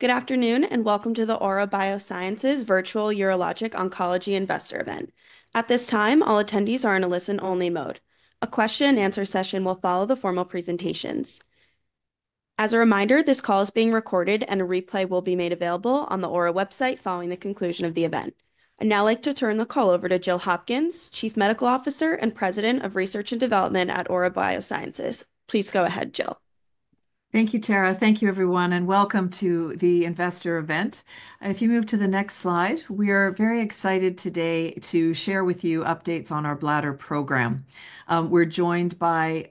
Good afternoon, and welcome to the Aura Biosciences Virtual Urologic Oncology Investor Event. At this time, all attendees are in a listen-only mode. A question-and-answer session will follow the formal presentations. As a reminder, this call is being recorded, and a replay will be made available on the Aura website following the conclusion of the event. I'd now like to turn the call over to Jill Hopkins, Chief Medical Officer and President of Research and Development at Aura Biosciences. Please go ahead, Jill. Thank you, Tara. Thank you, everyone, and welcome to the Investor Event. If you move to the next slide, we are very excited today to share with you updates on our bladder program. We're joined by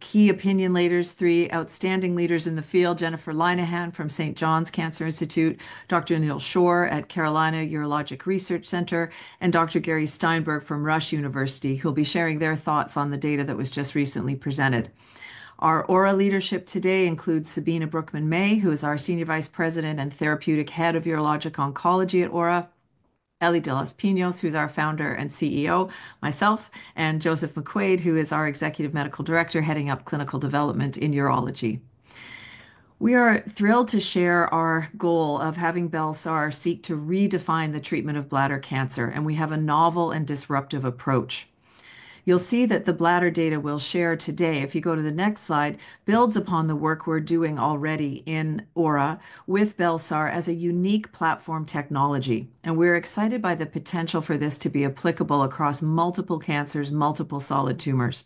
key opinion leaders, three outstanding leaders in the field: Jennifer Linehan from St. John's Cancer Institute, Dr. Neal Shore at Carolina Urologic Research Center, and Dr. Gary Steinberg from Rush University, who will be sharing their thoughts on the data that was just recently presented. Our Aura leadership today includes Sabine Brookman-May, who is our Senior Vice President and Therapeutic Head of Urologic Oncology at Aura, Ellie de los Pinos, who's our Founder and CEO, myself, and Joseph McQuaid, who is our Executive Medical Director heading up clinical development in urology. We are thrilled to share our goal of having Bel-sar seek to redefine the treatment of bladder cancer, and we have a novel and disruptive approach. You'll see that the bladder data we'll share today, if you go to the next slide, builds upon the work we're doing already in Aura with Bel-sar as a unique platform technology, and we're excited by the potential for this to be applicable across multiple cancers, multiple solid tumors.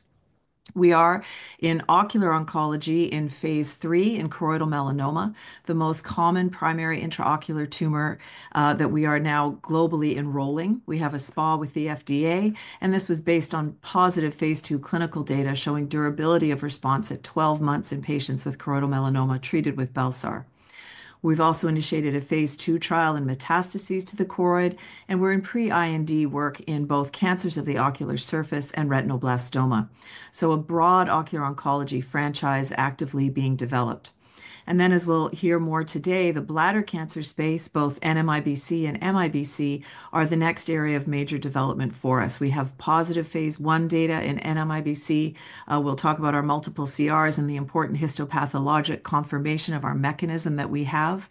We are in ocular oncology in phase III in choroidal melanoma, the most common primary intraocular tumor that we are now globally enrolling. We have a SPA with the FDA, and this was based on positive phase II clinical data showing durability of response at 12 months in patients with choroidal melanoma treated with Bel-sar. We've also initiated a phase II trial in metastases to the choroid, and we're in pre-IND work in both cancers of the ocular surface and retinal blastoma. A broad ocular oncology franchise is actively being developed. As we'll hear more today, the bladder cancer space, both NMIBC and MIBC, are the next area of major development for us. We have positive phase I data in NMIBC. We'll talk about our multiple CRs and the important histopathologic confirmation of our mechanism that we have.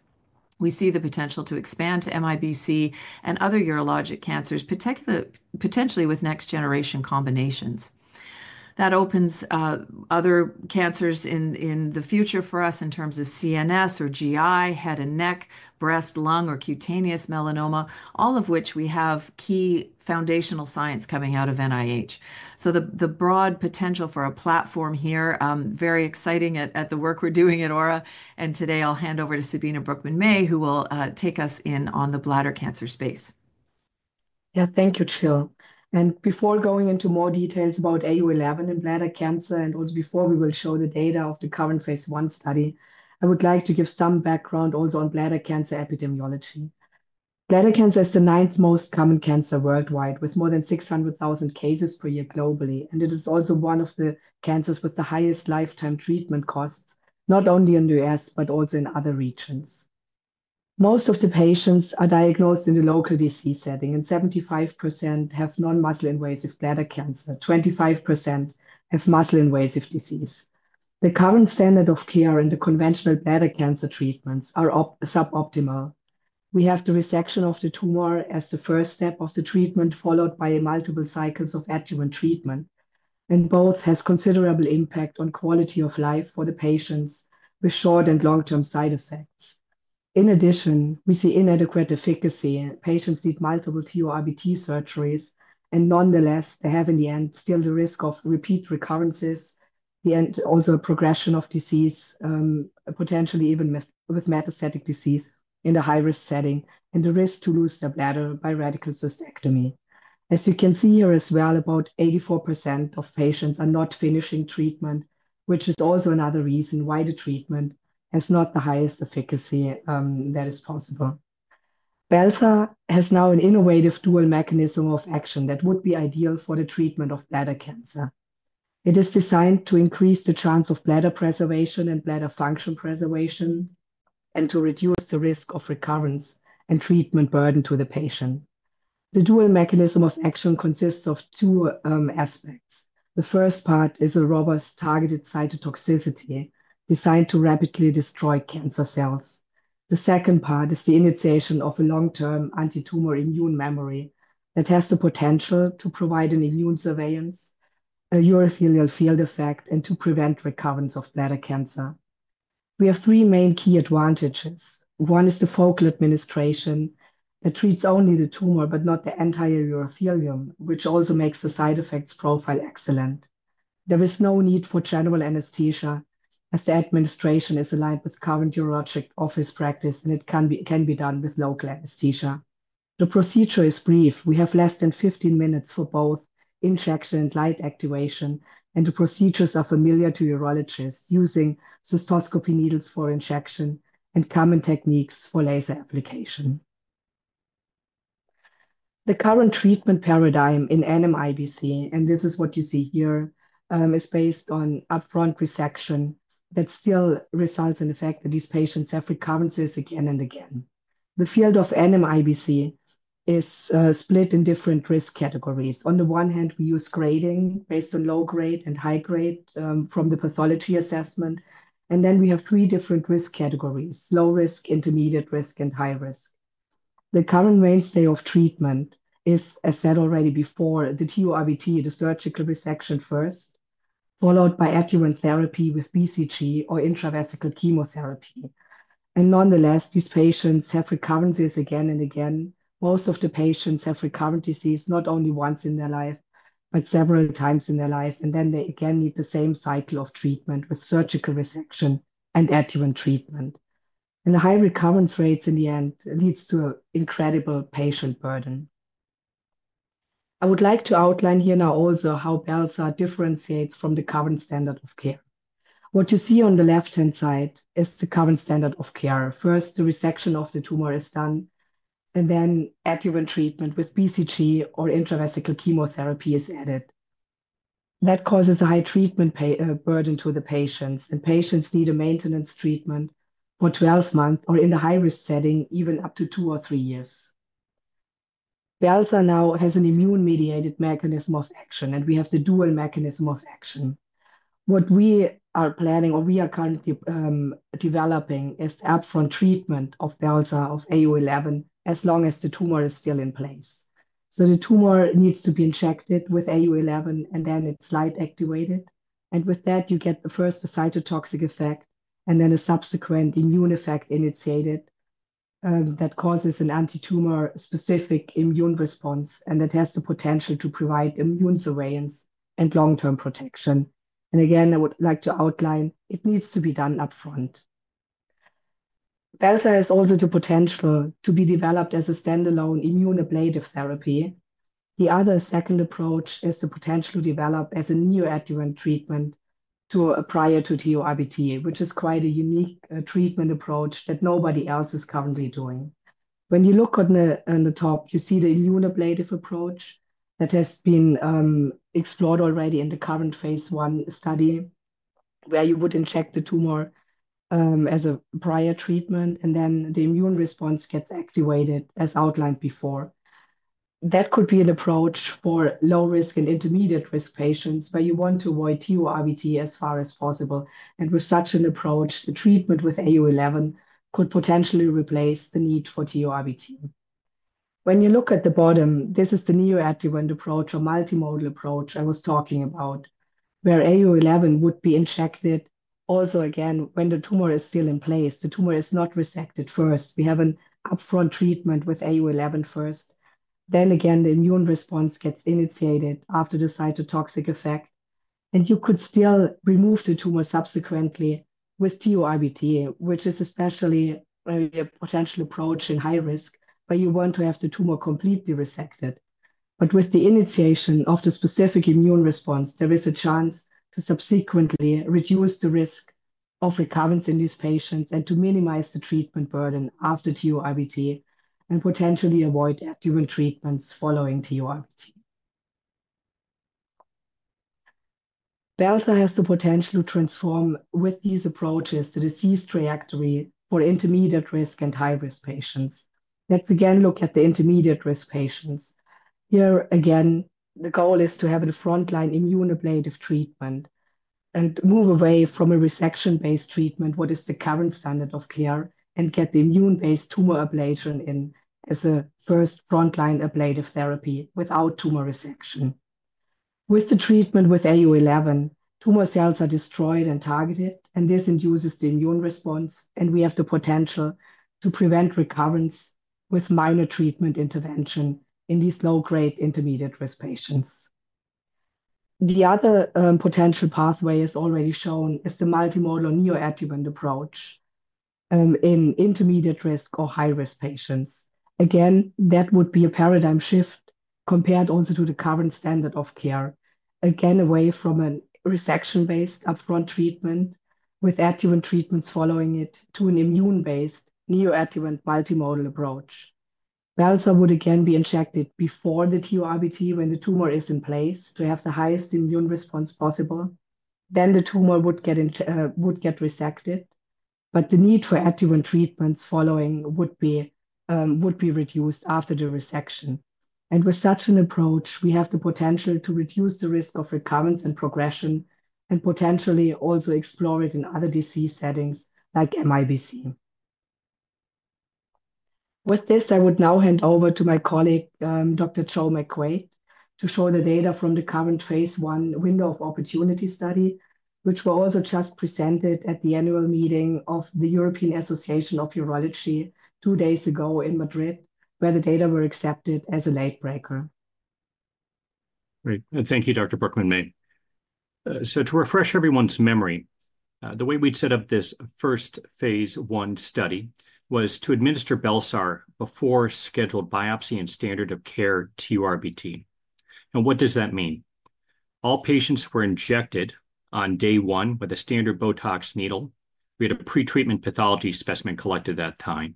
We see the potential to expand to MIBC and other urologic cancers, potentially with next-generation combinations. That opens other cancers in the future for us in terms of CNS or GI, head and neck, breast, lung, or cutaneous melanoma, all of which we have key foundational science coming out of NIH. The broad potential for a platform here, very exciting at the work we're doing at Aura. Today, I'll hand over to Sabine Brookman-May, who will take us in on the bladder cancer space. Yeah, thank you, Jill. Before going into more details about AU-011 and bladder cancer, and also before we will show the data of the current phase I study, I would like to give some background also on bladder cancer epidemiology. Bladder cancer is the ninth most common cancer worldwide, with more than 600,000 cases per year globally, and it is also one of the cancers with the highest lifetime treatment costs, not only in the U.S., but also in other regions. Most of the patients are diagnosed in the local disease setting, and 75% have non-muscle-invasive bladder cancer, 25% have muscle-invasive disease. The current standard of care and the conventional bladder cancer treatments are suboptimal. We have the resection of the tumor as the first step of the treatment, followed by multiple cycles of adjuvant treatment, and both have considerable impact on quality of life for the patients with short and long-term side effects. In addition, we see inadequate efficacy. Patients need multiple TURBT surgeries, and nonetheless, they have in the end still the risk of repeat recurrences, and also progression of disease, potentially even with metastatic disease in a high-risk setting, and the risk to lose their bladder by radical cystectomy. As you can see here as well, about 84% of patients are not finishing treatment, which is also another reason why the treatment has not the highest efficacy that is possible. Bel-sar has now an innovative dual mechanism of action that would be ideal for the treatment of bladder cancer. It is designed to increase the chance of bladder preservation and bladder function preservation and to reduce the risk of recurrence and treatment burden to the patient. The dual mechanism of action consists of two aspects. The first part is a robust targeted cytotoxicity designed to rapidly destroy cancer cells. The second part is the initiation of a long-term anti-tumor immune memory that has the potential to provide an immune surveillance, a urothelial field effect, and to prevent recurrence of bladder cancer. We have three main key advantages. One is the focal administration that treats only the tumor, but not the entire urothelium, which also makes the side effects profile excellent. There is no need for general anesthesia, as the administration is aligned with current urologic office practice, and it can be done with local anesthesia. The procedure is brief. We have less than 15 minutes for both injection and light activation, and the procedures are familiar to urologists using cystoscopy needles for injection and common techniques for laser application. The current treatment paradigm in NMIBC, and this is what you see here, is based on upfront resection that still results in the fact that these patients have recurrences again and again. The field of NMIBC is split in different risk categories. On the one hand, we use grading based on low grade and high grade from the pathology assessment, and then we have three different risk categories: low risk, intermediate risk, and high risk. The current mainstay of treatment is, as said already before, the TURBT, the surgical resection first, followed by adjuvant therapy with BCG or intravesical chemotherapy. Nonetheless, these patients have recurrences again and again. Most of the patients have recurrent disease not only once in their life, but several times in their life, and they again need the same cycle of treatment with surgical resection and adjuvant treatment. The high recurrence rates in the end lead to an incredible patient burden. I would like to outline here now also how Bel-sar differentiates from the current standard of care. What you see on the left-hand side is the current standard of care. First, the resection of the tumor is done, and then adjuvant treatment with BCG or intravesical chemotherapy is added. That causes a high treatment burden to the patients, and patients need a maintenance treatment for 12 months or in the high-risk setting, even up to two or three years. Bel-sar now has an immune-mediated mechanism of action, and we have the dual mechanism of action. What we are planning, or we are currently developing, is upfront treatment of Bel-sar or AU-011 as long as the tumor is still in place. The tumor needs to be injected with AU-011, and then it is light activated. With that, you get the first cytotoxic effect and then a subsequent immune effect initiated that causes an anti-tumor-specific immune response, and that has the potential to provide immune surveillance and long-term protection. Again, I would like to outline it needs to be done upfront. Bel-sar also has the potential to be developed as a standalone Immunoablative therapy. The other second approach is the potential to develop as a neoadjuvant treatment prior to TURBT, which is quite a unique treatment approach that nobody else is currently doing. When you look on the top, you see the Immunoablative approach that has been explored already in the current phase I study, where you would inject the tumor as a prior treatment, and then the immune response gets activated, as outlined before. That could be an approach for low-risk and intermediate-risk patients, where you want to avoid TURBT as far as possible. With such an approach, the treatment with AU-011 could potentially replace the need for TURBT. When you look at the bottom, this is the neoadjuvant approach or multimodal approach I was talking about, where AU-011 would be injected also again when the tumor is still in place. The tumor is not resected first. We have an upfront treatment with AU-011 first. The immune response gets initiated after the cytotoxic effect, and you could still remove the tumor subsequently with TURBT, which is especially a potential approach in high risk, where you want to have the tumor completely resected. With the initiation of the specific immune response, there is a chance to subsequently reduce the risk of recurrence in these patients and to minimize the treatment burden after TURBT and potentially avoid adjuvant treatments following TURBT. Bel-sar has the potential to transform with these approaches the disease trajectory for intermediate-risk and high-risk patients. Let's again look at the intermediate-risk patients. Here again, the goal is to have a frontline immune ablative treatment and move away from a resection-based treatment, what is the current standard of care, and get the immune-based tumor ablation in as a first frontline ablative therapy without tumor resection. With the treatment with AU-011, tumor cells are destroyed and targeted, and this induces the immune response, and we have the potential to prevent recurrence with minor treatment intervention in these low-grade intermediate-risk patients. The other potential pathway, as already shown, is the multimodal neoadjuvant approach in intermediate-risk or high-risk patients. Again, that would be a paradigm shift compared also to the current standard of care, again away from a resection-based upfront treatment with adjuvant treatments following it to an immune-based neoadjuvant multimodal approach. Bel-sar would again be injected before the TURBT when the tumor is in place to have the highest immune response possible. Then the tumor would get resected, but the need for adjuvant treatments following would be reduced after the resection. With such an approach, we have the potential to reduce the risk of recurrence and progression and potentially also explore it in other disease settings like MIBC. With this, I would now hand over to my colleague, Dr. Joseph McQuaid, to show the data from the current phase I window of opportunity study, which was also just presented at the annual meeting of the European Association of Urology two days ago in Madrid, where the data were accepted as a late breaker. Great. Thank you, Dr. Brookman-May. To refresh everyone's memory, the way we'd set up this first phase I study was to administer Bel-sar before scheduled biopsy and standard of care TURBT. What does that mean? All patients were injected on day one with a standard Botox needle. We had a pretreatment pathology specimen collected at that time.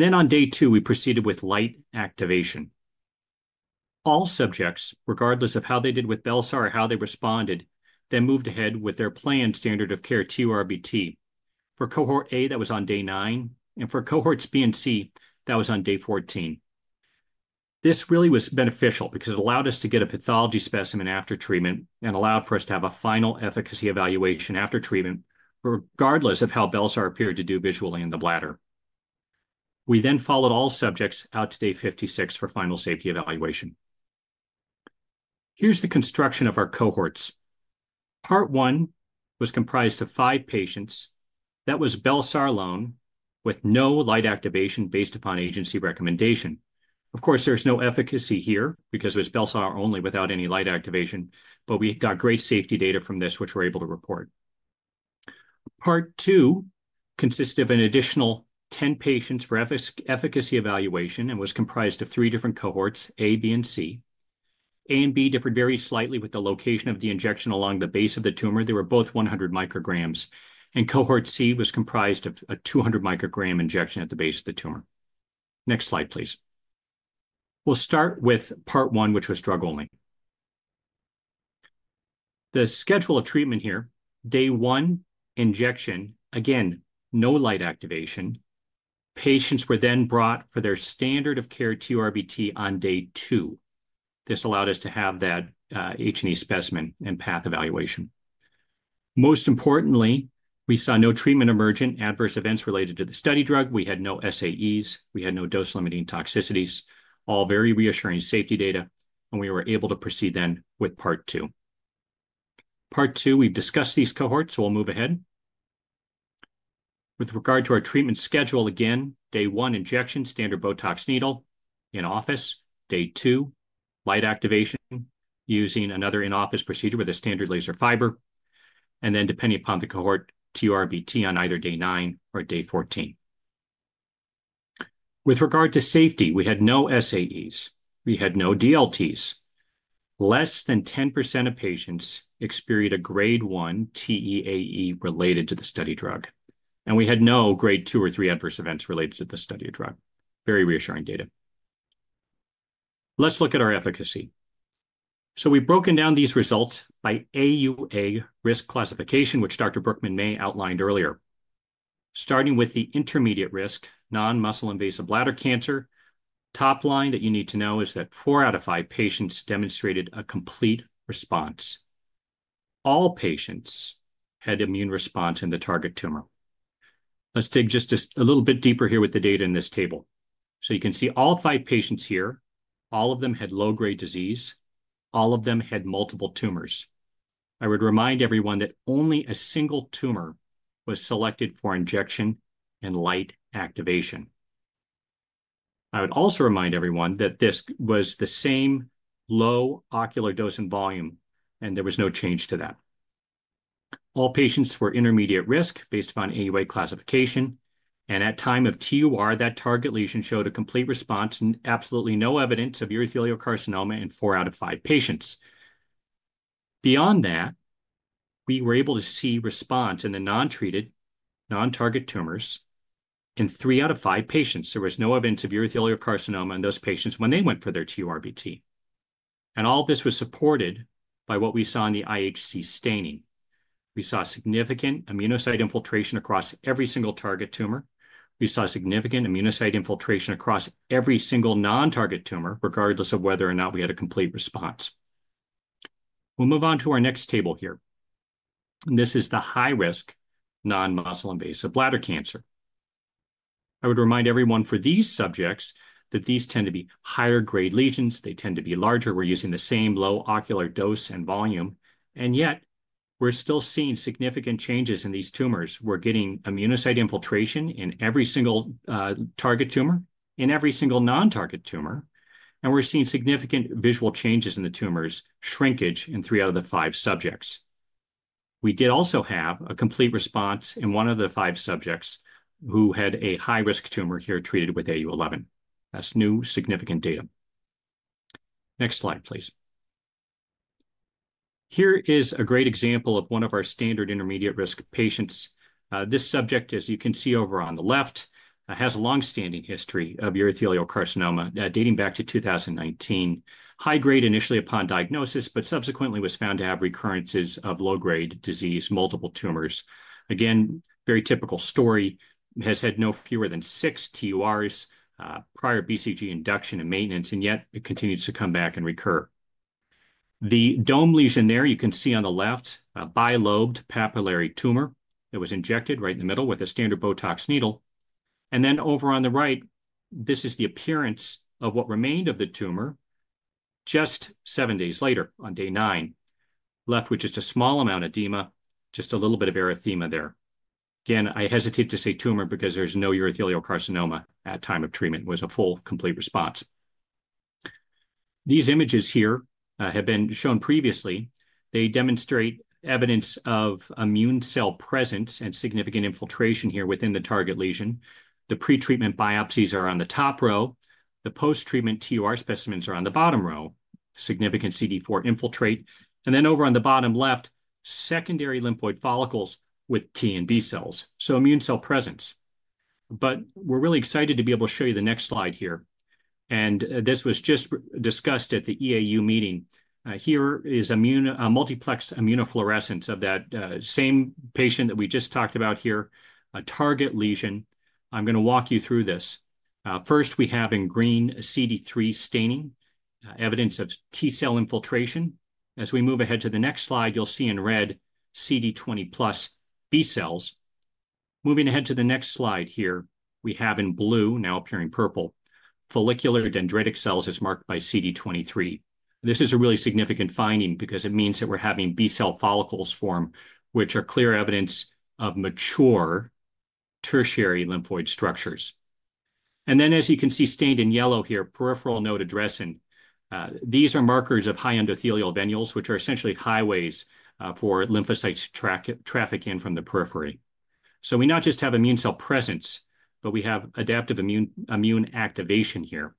On day two, we proceeded with light activation. All subjects, regardless of how they did with Bel-sar or how they responded, then moved ahead with their planned standard of care TURBT. For cohort A, that was on day nine, and for cohorts B and C, that was on day 14. This really was beneficial because it allowed us to get a pathology specimen after treatment and allowed for us to have a final efficacy evaluation after treatment, regardless of how Bel-sar appeared to do visually in the bladder. We then followed all subjects out to day 56 for final safety evaluation. Here's the construction of our cohorts. Part one was comprised of five patients. That was Bel-sar alone with no light activation based upon agency recommendation. Of course, there's no efficacy here because it was Bel-sar only without any light activation, but we got great safety data from this, which we're able to report. Part two consisted of an additional 10 patients for efficacy evaluation and was comprised of three different cohorts, A, B, and C. A and B differed very slightly with the location of the injection along the base of the tumor. They were both 100 micrograms, and cohort C was comprised of a 200 microgram injection at the base of the tumor. Next slide, please. We'll start with part one, which was drug-only. The schedule of treatment here, day one injection, again, no light activation. Patients were then brought for their standard of care TURBT on day two. This allowed us to have that H&E specimen and path evaluation. Most importantly, we saw no treatment emergent adverse events related to the study drug. We had no SAEs. We had no dose-limiting toxicities, all very reassuring safety data, and we were able to proceed then with part two. Part two, we've discussed these cohorts, so we'll move ahead. With regard to our treatment schedule, again, day one, injection, standard Botox needle in office. Day two, light activation using another in-office procedure with a standard laser fiber, and then depending upon the cohort, TURBT on either day nine or day 14. With regard to safety, we had no SAEs. We had no DLTs. Less than 10% of patients experienced a grade one TEAE related to the study drug, and we had no grade two or three adverse events related to the study drug. Very reassuring data. Let's look at our efficacy. We've broken down these results by AUA risk classification, which Dr. Brookman-May outlined earlier, starting with the intermediate-risk non-muscle invasive bladder cancer. Top line that you need to know is that four out of five patients demonstrated a complete response. All patients had immune response in the target tumor. Let's dig just a little bit deeper here with the data in this table. You can see all five patients here, all of them had low-grade disease, all of them had multiple tumors. I would remind everyone that only a single tumor was selected for injection and light activation. I would also remind everyone that this was the same low ocular dose and volume, and there was no change to that. All patients were intermediate risk based upon AUA classification, and at time of TUR, that target lesion showed a complete response and absolutely no evidence of urothelial carcinoma in four out of five patients. Beyond that, we were able to see response in the non-treated, non-target tumors in three out of five patients. There was no evidence of urothelial carcinoma in those patients when they went for their TURBT. All of this was supported by what we saw in the IHC staining. We saw significant immunocyte infiltration across every single target tumor. We saw significant immunocyte infiltration across every single non-target tumor, regardless of whether or not we had a complete response. We'll move on to our next table here. This is the high-risk non-muscle invasive bladder cancer. I would remind everyone for these subjects that these tend to be higher-grade lesions. They tend to be larger. We're using the same low ocular dose and volume, and yet we're still seeing significant changes in these tumors. We're getting immunocyte infiltration in every single target tumor, in every single non-target tumor, and we're seeing significant visual changes in the tumors, shrinkage in three out of the five subjects. We did also have a complete response in one of the five subjects who had a high-risk tumor here treated with AU-011. That's new significant data. Next slide, please. Here is a great example of one of our standard intermediate risk patients. This subject, as you can see over on the left, has a long-standing history of urothelial carcinoma dating back to 2019. High-grade initially upon diagnosis, but subsequently was found to have recurrences of low-grade disease, multiple tumors. Again, very typical story. Has had no fewer than six TURs, prior BCG induction and maintenance, and yet it continues to come back and recur. The dome lesion there, you can see on the left, bilobed papillary tumor that was injected right in the middle with a standard Botox needle. Over on the right, this is the appearance of what remained of the tumor just seven days later on day nine, left, which is a small amount of edema, just a little bit of erythema there. I hesitate to say tumor because there's no urothelial carcinoma at time of treatment. It was a full, complete response. These images here have been shown previously. They demonstrate evidence of immune cell presence and significant infiltration here within the target lesion. The pretreatment biopsies are on the top row. The post-treatment TUR specimens are on the bottom row, significant CD4 infiltrate. Over on the bottom left, secondary lymphoid follicles with T and B cells. Immune cell presence. We are really excited to be able to show you the next slide here. This was just discussed at the EAU meeting. Here is a multiplex immunofluorescence of that same patient that we just talked about here, a target lesion. I'm going to walk you through this. First, we have in green CD3 staining, evidence of T cell infiltration. As we move ahead to the next slide, you'll see in red CD20 plus B cells. Moving ahead to the next slide here, we have in blue, now appearing purple, follicular dendritic cells as marked by CD23. This is a really significant finding because it means that we're having B cell follicles form, which are clear evidence of mature tertiary lymphoid structures. As you can see stained in yellow here, peripheral node addressing. These are markers of high endothelial venules, which are essentially highways for lymphocytes trafficking from the periphery. We not just have immune cell presence, but we have adaptive immune activation here.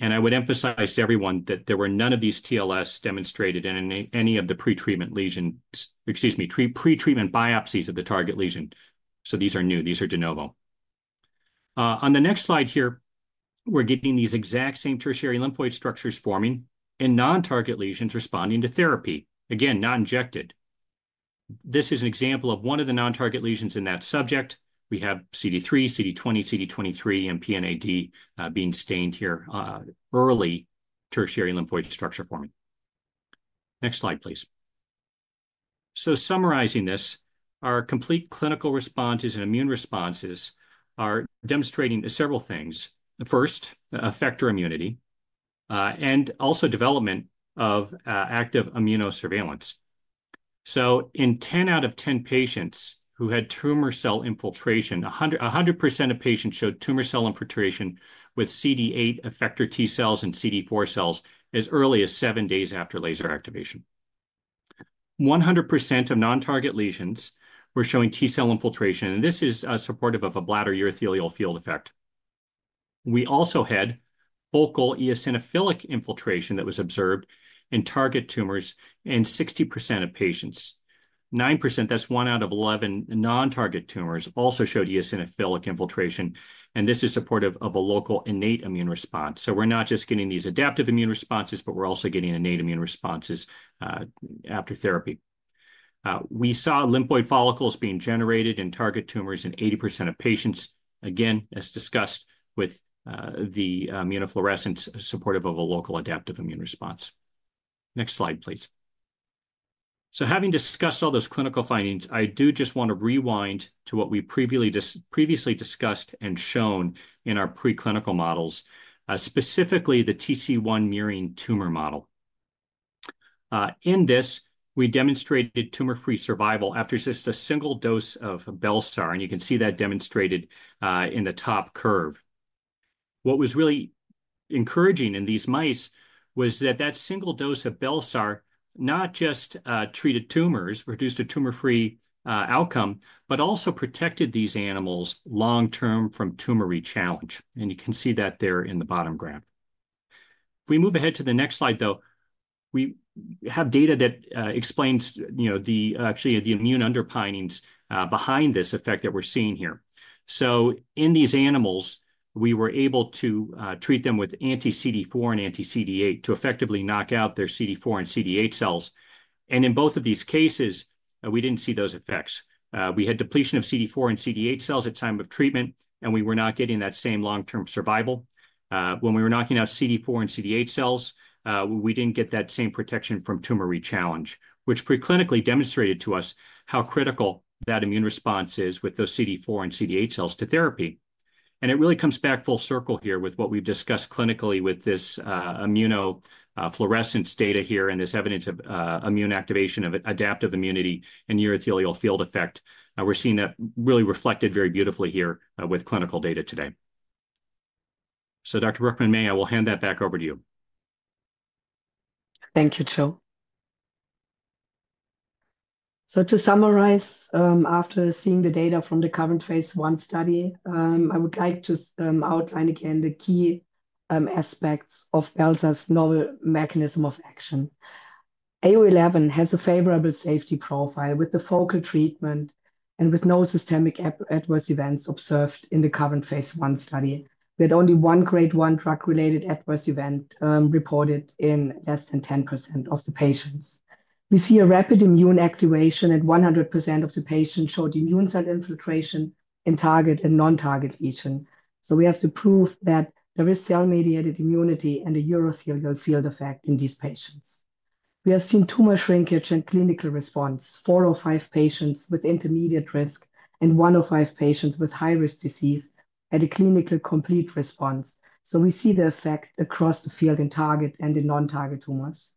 I would emphasize to everyone that there were none of these TLS demonstrated in any of the pretreatment biopsies of the target lesion. These are new. These are de novo. On the next slide here, we're getting these exact same tertiary lymphoid structures forming in non-target lesions responding to therapy. Again, not injected. This is an example of one of the non-target lesions in that subject. We have CD3, CD20, CD23, and PNAd being stained here, early tertiary lymphoid structure forming. Next slide, please. Summarizing this, our complete clinical responses and immune responses are demonstrating several things. First, effector immunity and also development of active Immunosurveillance. In 10 out of 10 patients who had tumor cell infiltration, 100% of patients showed tumor cell infiltration with CD8 effector T cells and CD4 cells as early as seven days after laser activation. 100% of non-target lesions were showing T cell infiltration, and this is supportive of a bladder urothelial field effect. We also had focal eosinophilic infiltration that was observed in target tumors in 60% of patients. 9%, that is one out of 11 non-target tumors, also showed eosinophilic infiltration, and this is supportive of a local innate immune response. We're not just getting these adaptive immune responses, but we're also getting innate immune responses after therapy. We saw lymphoid follicles being generated in target tumors in 80% of patients, again, as discussed with the immunofluorescence supportive of a local adaptive immune response. Next slide, please. Having discussed all those clinical findings, I do just want to rewind to what we previously discussed and shown in our preclinical models, specifically the TC1 mirroring tumor model. In this, we demonstrated tumor-free survival after just a single dose of Bel-sar, and you can see that demonstrated in the top curve. What was really encouraging in these mice was that that single dose of Bel-sar not just treated tumors, reduced a tumor-free outcome, but also protected these animals long-term from tumor re-challenge. You can see that there in the bottom graph. If we move ahead to the next slide, you know, we have data that explains, you know, actually the immune underpinnings behind this effect that we're seeing here. In these animals, we were able to treat them with anti-CD4 and anti-CD8 to effectively knock out their CD4 and CD8 cells. In both of these cases, we didn't see those effects. We had depletion of CD4 and CD8 cells at time of treatment, and we were not getting that same long-term survival. When we were knocking out CD4 and CD8 cells, we didn't get that same protection from tumor re-challenge, which preclinically demonstrated to us how critical that immune response is with those CD4 and CD8 cells to therapy. It really comes back full circle here with what we've discussed clinically with this immunofluorescence data here and this evidence of immune activation of adaptive immunity and urothelial field effect. We're seeing that really reflected very beautifully here with clinical data today. Dr. Brookman-May, I will hand that back over to you. Thank you, Jill. To summarize, after seeing the data from the current phase one study, I would like to outline again the key aspects of Bel-sar's novel mechanism of action. AU-011 has a favorable safety profile with the focal treatment and with no systemic adverse events observed in the current phase one study. We had only one grade one drug-related adverse event reported in less than 10% of the patients. We see a rapid immune activation as 100% of the patients showed immune cell infiltration in target and non-target lesion. We have to prove that there is cell-mediated immunity and a urothelial field effect in these patients. We have seen tumor shrinkage and clinical response, four of five patients with intermediate risk and one of five patients with high-risk disease at a clinical complete response. We see the effect across the field in target and in non-target tumors.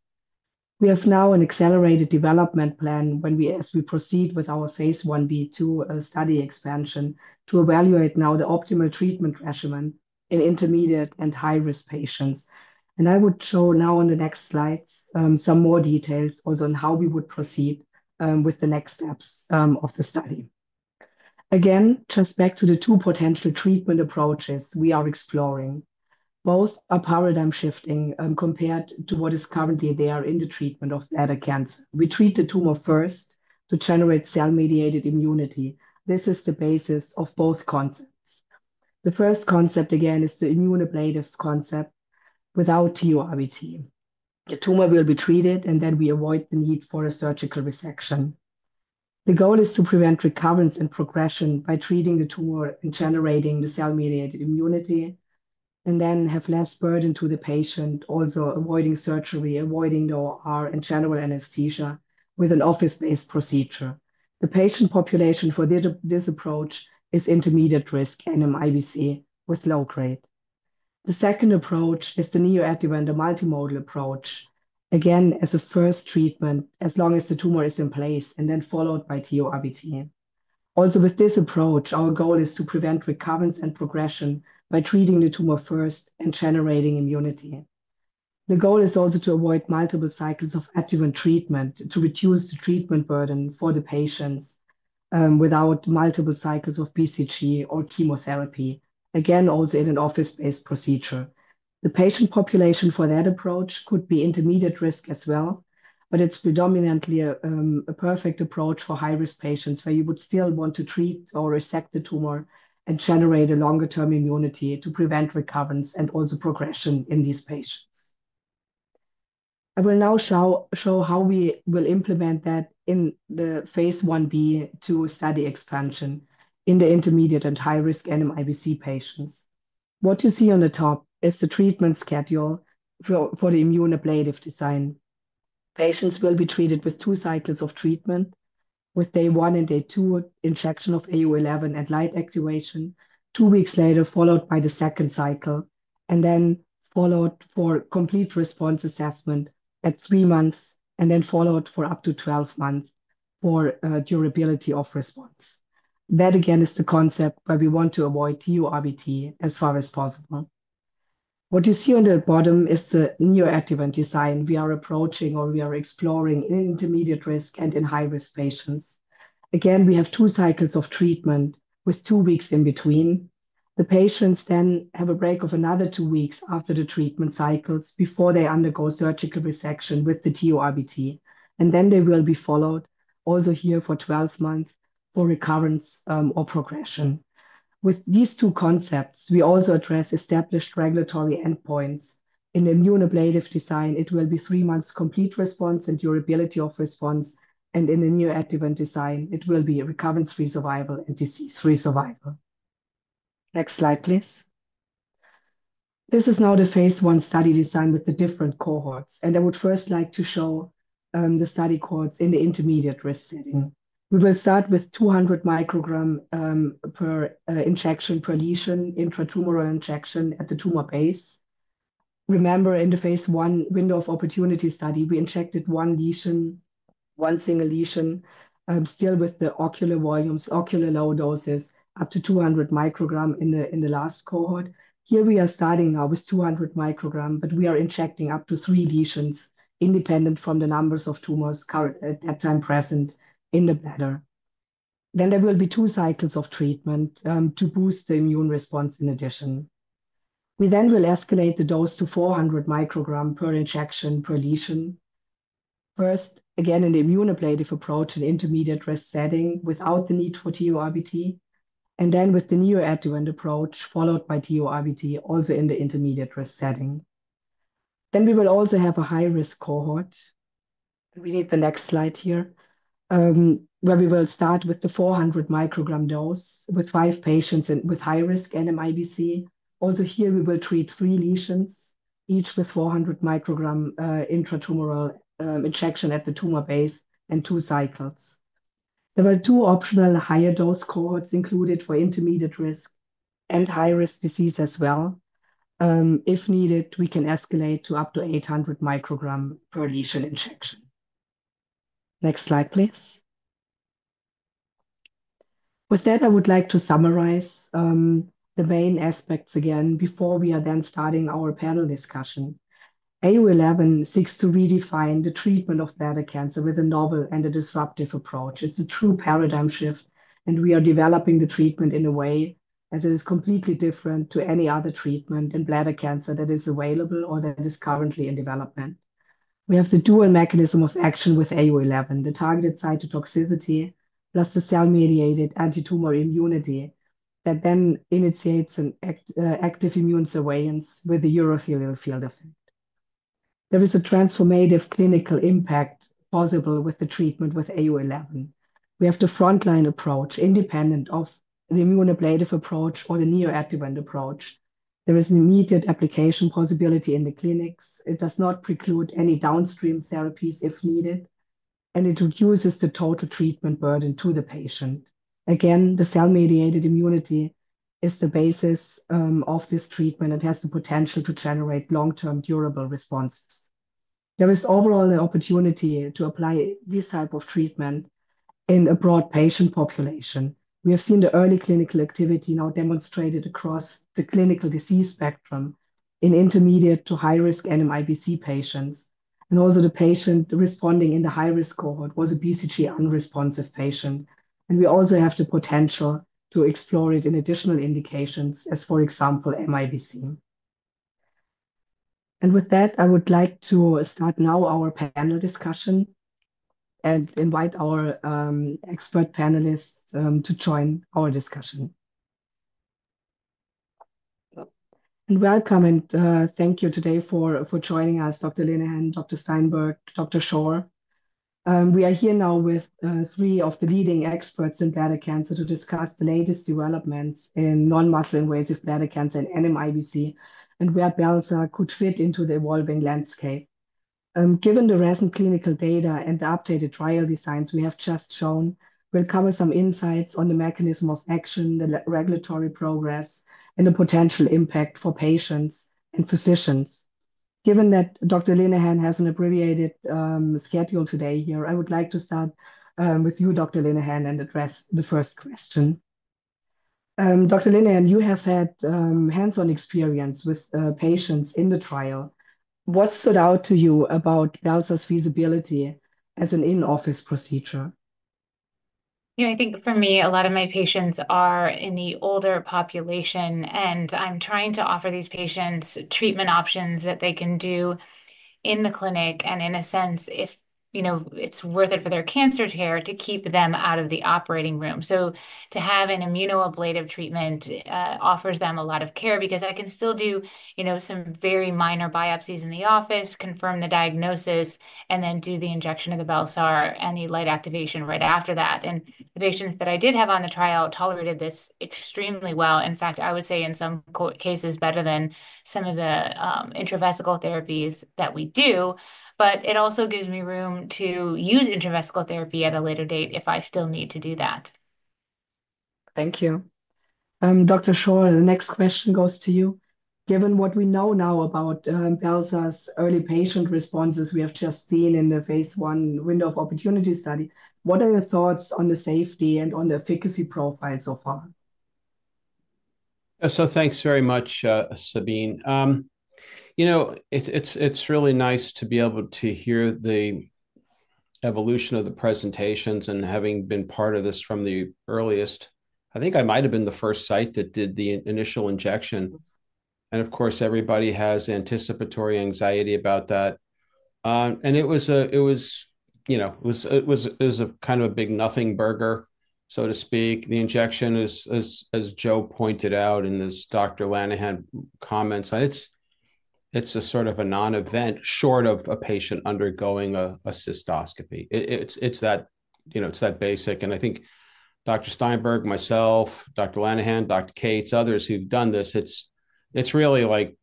We have now an accelerated development plan as we proceed with our phase one B2 study expansion to evaluate now the optimal treatment regimen in intermediate and high-risk patients. I would show now on the next slides some more details also on how we would proceed with the next steps of the study. Again, just back to the two potential treatment approaches we are exploring. Both are paradigm shifting compared to what is currently there in the treatment of bladder cancer. We treat the tumor first to generate cell-mediated immunity. This is the basis of both concepts. The first concept again is the Immunoablative concept without TURBT. The tumor will be treated, and then we avoid the need for a surgical resection. The goal is to prevent recurrence and progression by treating the tumor and generating the cell-mediated immunity and then have less burden to the patient, also avoiding surgery, avoiding OR and general anesthesia with an office-based procedure. The patient population for this approach is intermediate risk and an NMIBC with low grade. The second approach is the neoadjuvant multimodal approach, again as a first treatment as long as the tumor is in place and then followed by TURBT. Also, with this approach, our goal is to prevent recurrence and progression by treating the tumor first and generating immunity. The goal is also to avoid multiple cycles of adjuvant treatment to reduce the treatment burden for the patients without multiple cycles of BCG or chemotherapy, again also in an office-based procedure. The patient population for that approach could be intermediate risk as well, but it's predominantly a perfect approach for high-risk patients where you would still want to treat or resect the tumor and generate a longer-term immunity to prevent recurrence and also progression in these patients. I will now show how we will implement that in the phase one B2 study expansion in the intermediate and high-risk NMIBC patients. What you see on the top is the treatment schedule for the Immunoablative design. Patients will be treated with two cycles of treatment, with day one and day two injection of AU-011 and light activation, two weeks later followed by the second cycle, and then followed for complete response assessment at three months and then followed for up to 12 months for durability of response. That again is the concept where we want to avoid TURBT as far as possible. What you see on the bottom is the neoadjuvant design we are approaching or we are exploring in intermediate-risk and in high-risk patients. Again, we have two cycles of treatment with two weeks in between. The patients then have a break of another two weeks after the treatment cycles before they undergo surgical resection with the TURBT, and then they will be followed also here for 12 months for recurrence or progression. With these two concepts, we also address established regulatory endpoints. In the Immunoablative design, it will be three months complete response and durability of response, and in the neoadjuvant design, it will be recurrence-free survival and disease-free survival. Next slide, please. This is now the phase one study design with the different cohorts, and I would first like to show the study cohorts in the intermediate risk setting. We will start with 200 microgram per injection per lesion Intratumoral injection at the tumor base. Remember, in the phase one window of opportunity study, we injected one lesion, one single lesion, still with the ocular volumes, ocular low doses up to 200 microgram in the last cohort. Here we are starting now with 200 microgram, but we are injecting up to three lesions independent from the numbers of tumors at that time present in the bladder. There will be two cycles of treatment to boost the immune response in addition. We then will escalate the dose to 400 microgram per injection per lesion. First, again in the Immunoablative approach in intermediate-risk setting without the need for TURBT, and then with the neoadjuvant approach followed by TURBT also in the intermediate-risk setting. We will also have a high-risk cohort. We need the next slide here, where we will start with the 400 microgram dose with five patients with high-risk NMIBC. Also here, we will treat three lesions, each with 400 microgram Intratumoral injection at the tumor base and two cycles. There are two optional higher dose cohorts included for intermediate-risk and high-risk disease as well. If needed, we can escalate to up to 800 microgram per lesion injection. Next slide, please. With that, I would like to summarize the main aspects again before we are then starting our panel discussion. AU-011 seeks to redefine the treatment of bladder cancer with a novel and a disruptive approach. It's a true paradigm shift, and we are developing the treatment in a way as it is completely different to any other treatment in bladder cancer that is available or that is currently in development. We have the dual mechanism of action with AU-011, the targeted cytotoxicity plus the cell-mediated anti-tumor immunity that then initiates an active immune surveillance with the urothelial field effect. There is a transformative clinical impact possible with the treatment with AU-011. We have the frontline approach independent of the Immunoablative approach or the neoadjuvant approach. There is an immediate application possibility in the clinics. It does not preclude any downstream therapies if needed, and it reduces the total treatment burden to the patient. Again, the cell-mediated immunity is the basis of this treatment and has the potential to generate long-term durable responses. There is overall an opportunity to apply this type of treatment in a broad patient population. We have seen the early clinical activity now demonstrated across the clinical disease spectrum in intermediate to high-risk NMIBC patients, and also the patient responding in the high-risk cohort was a BCG unresponsive patient. We also have the potential to explore it in additional indications as, for example, MIBC. With that, I would like to start now our panel discussion and invite our expert panelists to join our discussion. Welcome and thank you today for joining us, Dr. Linehan, Dr. Steinberg, Dr. Shore. We are here now with three of the leading experts in bladder cancer to discuss the latest developments in non-muscle invasive bladder cancer and NMIBC and where Bel-sar could fit into the evolving landscape. Given the recent clinical data and the updated trial designs we have just shown, we'll cover some insights on the mechanism of action, the regulatory progress, and the potential impact for patients and physicians. Given that Dr. Linehan has an abbreviated schedule today here, I would like to start with you, Dr. Linehan, and address the first question. Dr. Linehan, you have had hands-on experience with patients in the trial. What stood out to you about Bel-sar's feasibility as an in-office procedure? Yeah, I think for me, a lot of my patients are in the older population, and I'm trying to offer these patients treatment options that they can do in the clinic and in a sense, if you know, it's worth it for their cancer care to keep them out of the operating room. To have an Immunoablative treatment offers them a lot of care because I can still do, you know, some very minor biopsies in the office, confirm the diagnosis, and then do the injection of the Bel-sar and the light activation right after that. The patients that I did have on the trial tolerated this extremely well. In fact, I would say in some cases better than some of the intravesical therapies that we do, but it also gives me room to use intravesical therapy at a later date if I still need to do that. Thank you. Dr. Shore, the next question goes to you. Given what we know now about Bel-sar's early patient responses we have just seen in the phase one window of opportunity study, what are your thoughts on the safety and on the efficacy profile so far? Thanks very much, Sabine. You know, it's really nice to be able to hear the evolution of the presentations and having been part of this from the earliest. I think I might have been the first site that did the initial injection. Of course, everybody has anticipatory anxiety about that. It was, you know, it was a kind of a big nothing burger, so to speak. The injection, as Jill pointed out in this Dr. Linehan comments, it's a sort of a non-event short of a patient undergoing a cystoscopy. It's that, you know, it's that basic. I think Dr. Steinberg, myself, Dr. Linehan, Dr. Cates, others who've done this, it's really like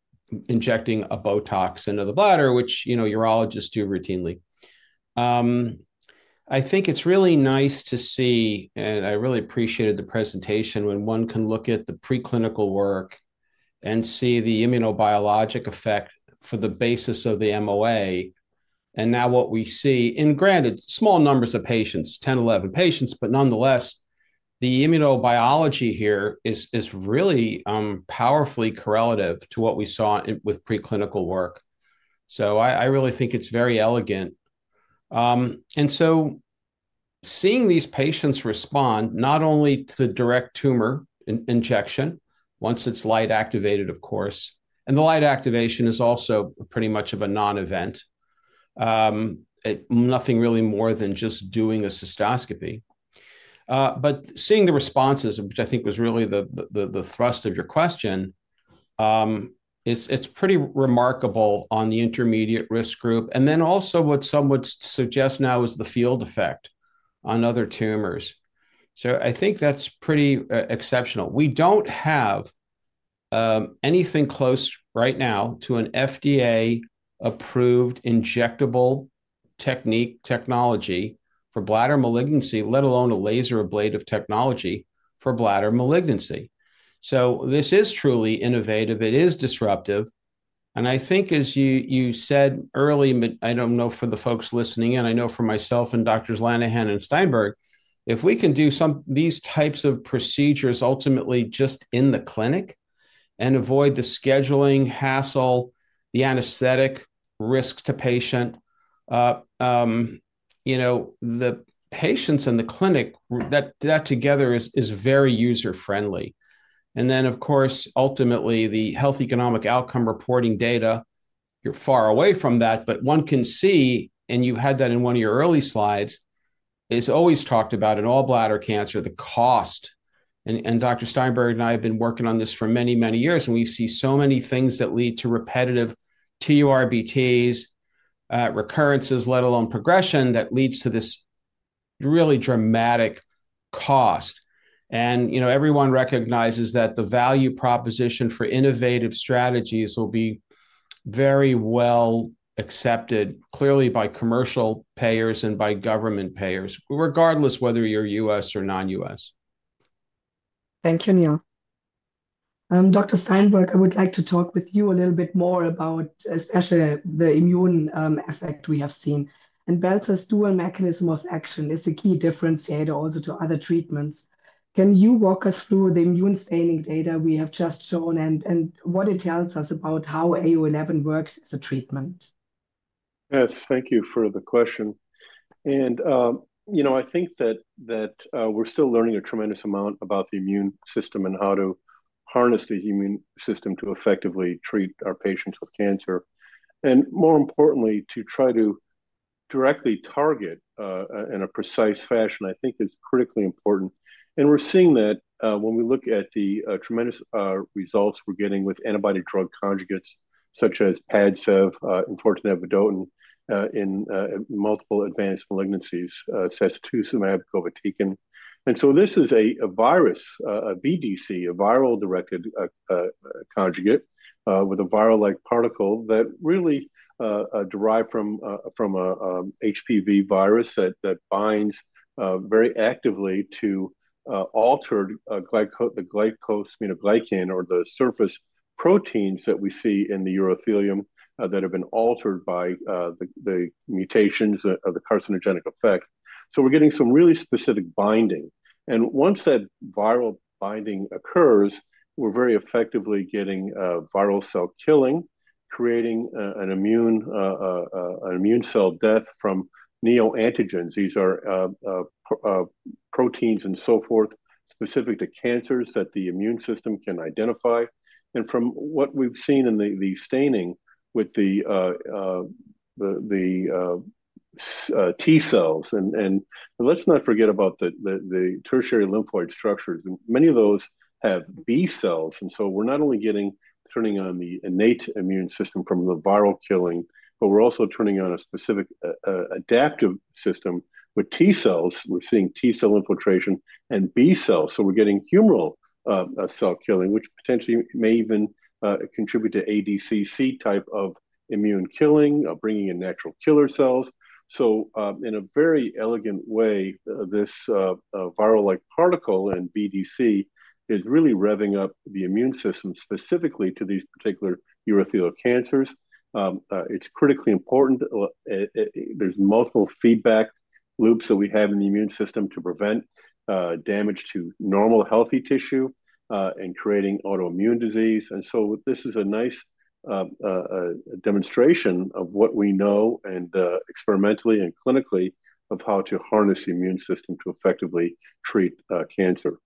injecting a Botox into the bladder, which, you know, urologists do routinely. I think it's really nice to see, and I really appreciated the presentation when one can look at the preclinical work and see the Immunobiologic effect for the basis of the MOA. Now what we see, and granted, small numbers of patients, 10, 11 patients, but nonetheless, the immunobiology here is really powerfully correlative to what we saw with preclinical work. I really think it's very elegant. Seeing these patients respond not only to the direct tumor injection once it's light activated, of course, and the light activation is also pretty much of a non-event, nothing really more than just doing a cystoscopy. Seeing the responses, which I think was really the thrust of your question, it's pretty remarkable on the intermediate risk group. Then also what some would suggest now is the field effect on other tumors. I think that's pretty exceptional. We don't have anything close right now to an FDA-approved injectable technique, technology for bladder malignancy, let alone a laser ablative technology for bladder malignancy. This is truly innovative. It is disruptive. I think as you said early, I don't know for the folks listening in, I know for myself and Dr. Linehan and Steinberg, if we can do some of these types of procedures ultimately just in the clinic and avoid the scheduling hassle, the anesthetic risk to patient, you know, the patients in the clinic, that together is very user-friendly. Of course, ultimately the health economic outcome reporting data, you're far away from that, but one can see, and you had that in one of your early slides, is always talked about in all bladder cancer, the cost. Dr. Steinberg and I have been working on this for many, many years, and we see so many things that lead to repetitive TURBTs, recurrences, let alone progression that leads to this really dramatic cost. You know, everyone recognizes that the value proposition for innovative strategies will be very well accepted clearly by commercial payers and by government payers, regardless whether you're U.S. or non-U.S. Thank you, Neal. Dr. Steinberg, I would like to talk with you a little bit more about especially the immune effect we have seen. Bel-sar's dual mechanism of action is a key differentiator also to other treatments. Can you walk us through the immune staining data we have just shown and what it tells us about how AU-011 works as a treatment? Yes, thank you for the question. You know, I think that we're still learning a tremendous amount about the immune system and how to harness the immune system to effectively treat our patients with cancer. More importantly, to try to directly target in a precise fashion, I think is critically important. We're seeing that when we look at the tremendous results we're getting with antibody drug conjugates such as Padcev, Enfortumab vedotin in multiple advanced malignancies, Sacituzumab govitecan. This is a virus, a VDC, a viral-directed conjugate with a viral-like particle that really derived from an HPV virus that binds very actively to altered glycosaminoglycan or the surface proteins that we see in the urothelium that have been altered by the mutations of the carcinogenic effect. We're getting some really specific binding. Once that viral binding occurs, we're very effectively getting viral cell killing, creating an immune cell death from neoantigens. These are proteins and so forth specific to cancers that the immune system can identify. From what we've seen in the staining with the T cells, and let's not forget about the tertiary lymphoid structures, many of those have B cells. We're not only turning on the innate immune system from the viral killing, but we're also turning on a specific adaptive system with T cells. We're seeing T cell infiltration and B cells. We're getting humoral cell killing, which potentially may even contribute to ADCC type of immune killing, bringing in natural killer cells. In a very elegant way, this viral-like particle and VDC is really revving up the immune system specifically to these particular urothelial cancers. It's critically important. There are multiple feedback loops that we have in the immune system to prevent damage to normal healthy tissue and creating autoimmune disease. This is a nice demonstration of what we know experimentally and clinically of how to harness the immune system to effectively treat cancer.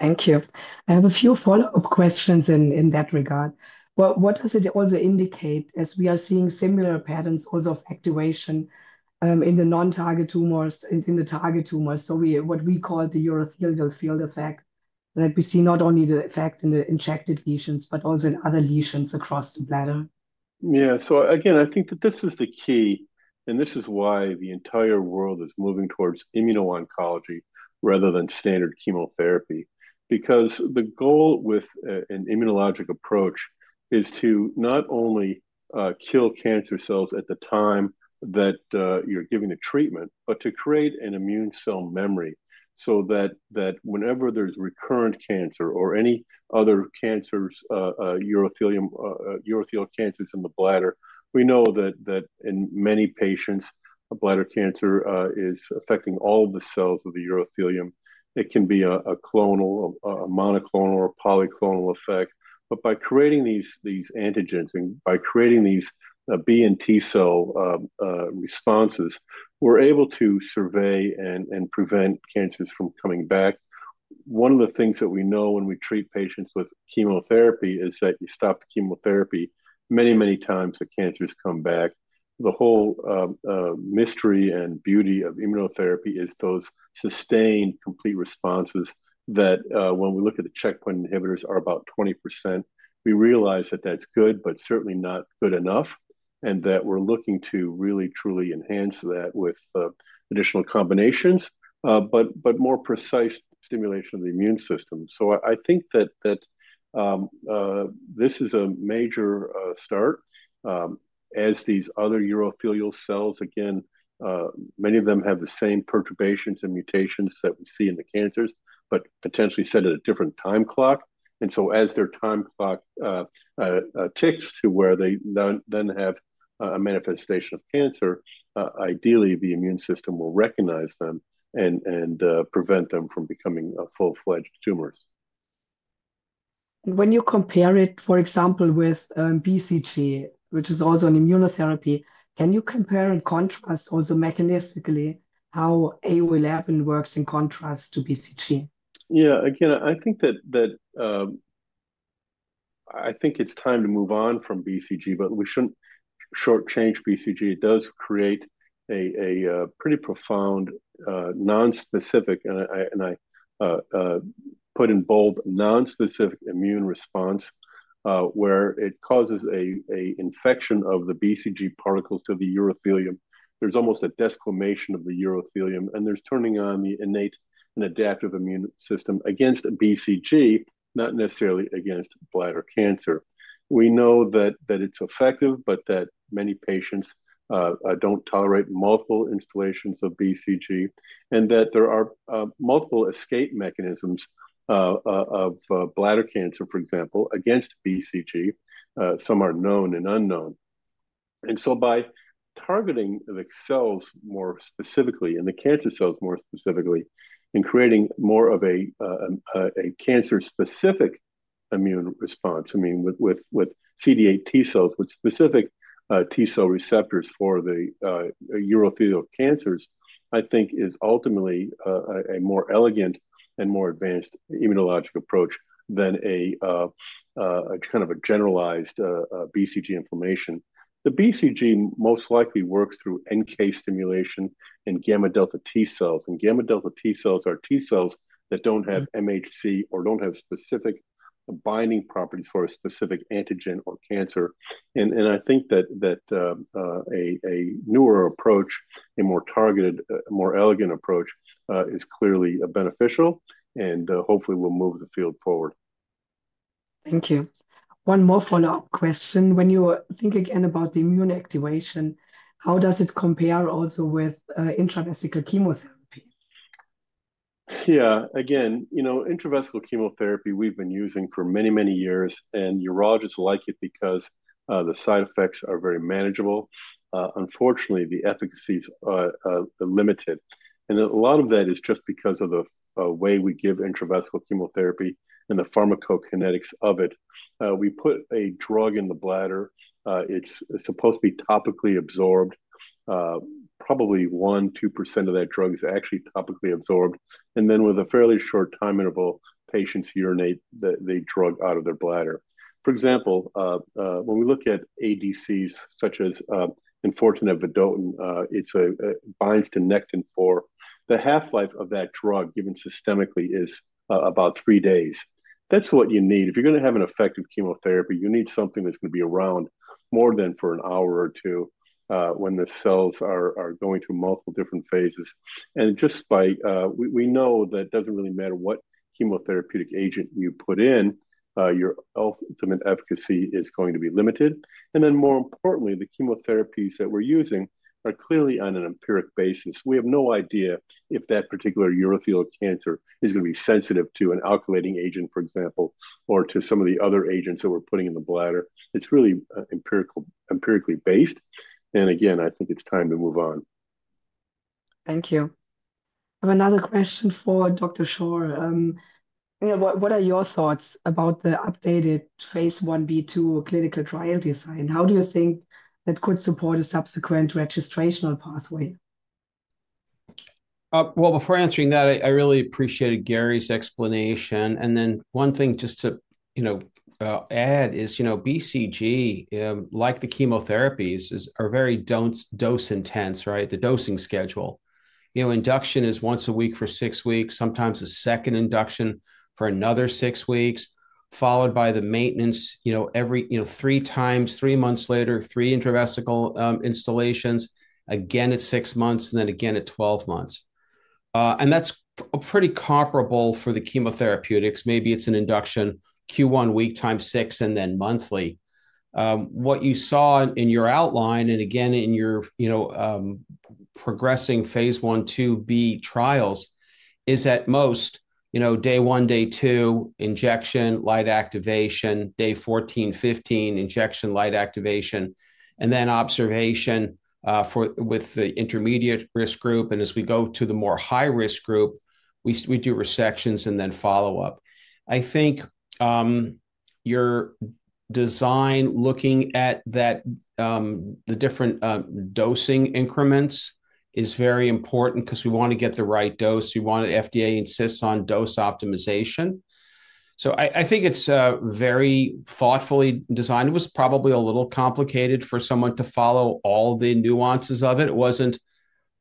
Thank you. I have a few follow-up questions in that regard. What does it also indicate as we are seeing similar patterns also of activation in the non-target tumors, in the target tumors? What we call the urothelial field effect is that we see not only the effect in the injected lesions, but also in other lesions across the bladder. Yeah, I think that this is the key, and this is why the entire world is moving towards immuno-oncology rather than standard chemotherapy, because the goal with an immunologic approach is to not only kill cancer cells at the time that you're giving the treatment, but to create an immune cell memory so that whenever there's recurrent cancer or any other cancers, urothelial cancers in the bladder, we know that in many patients, bladder cancer is affecting all of the cells of the urothelium. It can be a clonal, a monoclonal, or a polyclonal effect. By creating these antigens and by creating these B and T cell responses, we're able to survey and prevent cancers from coming back. One of the things that we know when we treat patients with chemotherapy is that you stop the chemotherapy, many, many times the cancers come back. The whole mystery and beauty of immunotherapy is those sustained complete responses that when we look at the checkpoint inhibitors are about 20%. We realize that that's good, but certainly not good enough, and that we're looking to really, truly enhance that with additional combinations, but more precise stimulation of the immune system. I think that this is a major start as these other urothelial cells, again, many of them have the same perturbations and mutations that we see in the cancers, but potentially set at a different time clock. As their time clock ticks to where they then have a manifestation of cancer, ideally the immune system will recognize them and prevent them from becoming full-fledged tumors. When you compare it, for example, with BCG, which is also an immunotherapy, can you compare and contrast also mechanistically how AU-011 works in contrast to BCG? Yeah, again, I think that I think it's time to move on from BCG, but we shouldn't shortchange BCG. It does create a pretty profound nonspecific, and I put in bold, nonspecific immune response where it causes an infection of the BCG particles to the urothelium. There's almost a desquamation of the urothelium, and there's turning on the innate and adaptive immune system against BCG, not necessarily against bladder cancer. We know that it's effective, but that many patients don't tolerate multiple installations of BCG and that there are multiple escape mechanisms of bladder cancer, for example, against BCG. Some are known and unknown. By targeting the cells more specifically and the cancer cells more specifically and creating more of a cancer-specific immune response, I mean, with CD8 T cells with specific T cell receptors for the urothelial cancers, I think is ultimately a more elegant and more advanced immunologic approach than a kind of a generalized BCG inflammation. The BCG most likely works through NK stimulation and gamma delta T cells. Gamma delta T cells are T cells that do not have MHC or do not have specific binding properties for a specific antigen or cancer. I think that a newer approach, a more targeted, more elegant approach is clearly beneficial and hopefully will move the field forward. Thank you. One more follow-up question. When you think again about the immune activation, how does it compare also with intravesical chemotherapy? Yeah, again, you know, intravesical chemotherapy we've been using for many, many years, and urologists like it because the side effects are very manageable. Unfortunately, the efficacies are limited. A lot of that is just because of the way we give intravesical chemotherapy and the pharmacokinetics of it. We put a drug in the bladder. It's supposed to be topically absorbed. Probably 1%-2% of that drug is actually topically absorbed. Then with a fairly short time interval, patients urinate the drug out of their bladder. For example, when we look at ADCs such as Enfortumab vedotin, it binds to Nectin-4. The half-life of that drug given systemically is about three days. That's what you need. If you're going to have an effective chemotherapy, you need something that's going to be around more than for an hour or two when the cells are going through multiple different phases. Just by we know that it does not really matter what chemotherapeutic agent you put in, your ultimate efficacy is going to be limited. More importantly, the chemotherapies that we are using are clearly on an empiric basis. We have no idea if that particular urothelial cancer is going to be sensitive to an alkylating agent, for example, or to some of the other agents that we are putting in the bladder. It is really empirically based. Again, I think it is time to move on. Thank you. I have another question for Dr. Shore. What are your thoughts about the updated phase 1B2 clinical trial design? How do you think that could support a subsequent registrational pathway? Before answering that, I really appreciated Gary's explanation. One thing just to add is, you know, BCG, like the chemotherapies, are very dose-intense, right? The dosing schedule. Induction is once a week for six weeks, sometimes a second induction for another six weeks, followed by the maintenance, you know, three times, three months later, three intravesical installations, again at six months, and then again at 12 months. That is pretty comparable for the chemotherapeutics. Maybe it is an induction Q1 week times six and then monthly. What you saw in your outline and again in your progressing phase 1, 2B trials is at most, you know, day one, day two, injection, light activation, day 14, 15, injection, light activation, and then observation with the intermediate risk group. As we go to the more high-risk group, we do resections and then follow-up. I think your design looking at the different dosing increments is very important because we want to get the right dose. We want to FDA insists on dose optimization. I think it is very thoughtfully designed. It was probably a little complicated for someone to follow all the nuances of it. It wasn't,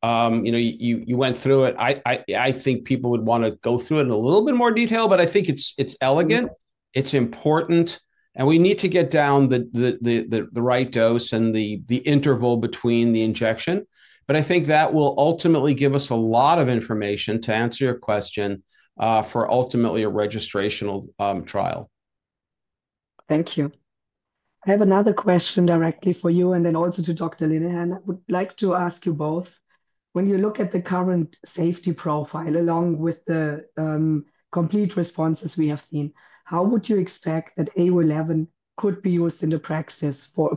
you know, you went through it. I think people would want to go through it in a little bit more detail, but I think it's elegant. It's important. We need to get down the right dose and the interval between the injection. I think that will ultimately give us a lot of information to answer your question for ultimately a registrational trial. Thank you. I have another question directly for you and then also to Dr. Linehan. I would like to ask you both, when you look at the current safety profile along with the complete responses we have seen, how would you expect that AU-011 could be used in the practice for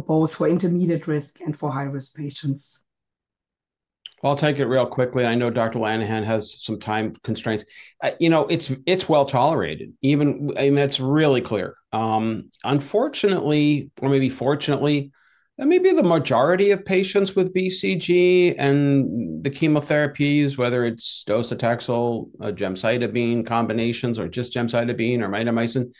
both for intermediate-risk and for high-risk patients? I'll take it real quickly. I know Dr. Linehan has some time constraints. You know, it's well tolerated. I mean, that's really clear. Unfortunately, or maybe fortunately, maybe the majority of patients with BCG and the chemotherapies, whether it's docetaxel, gemcitabine combinations, or just gemcitabine or mitomycin,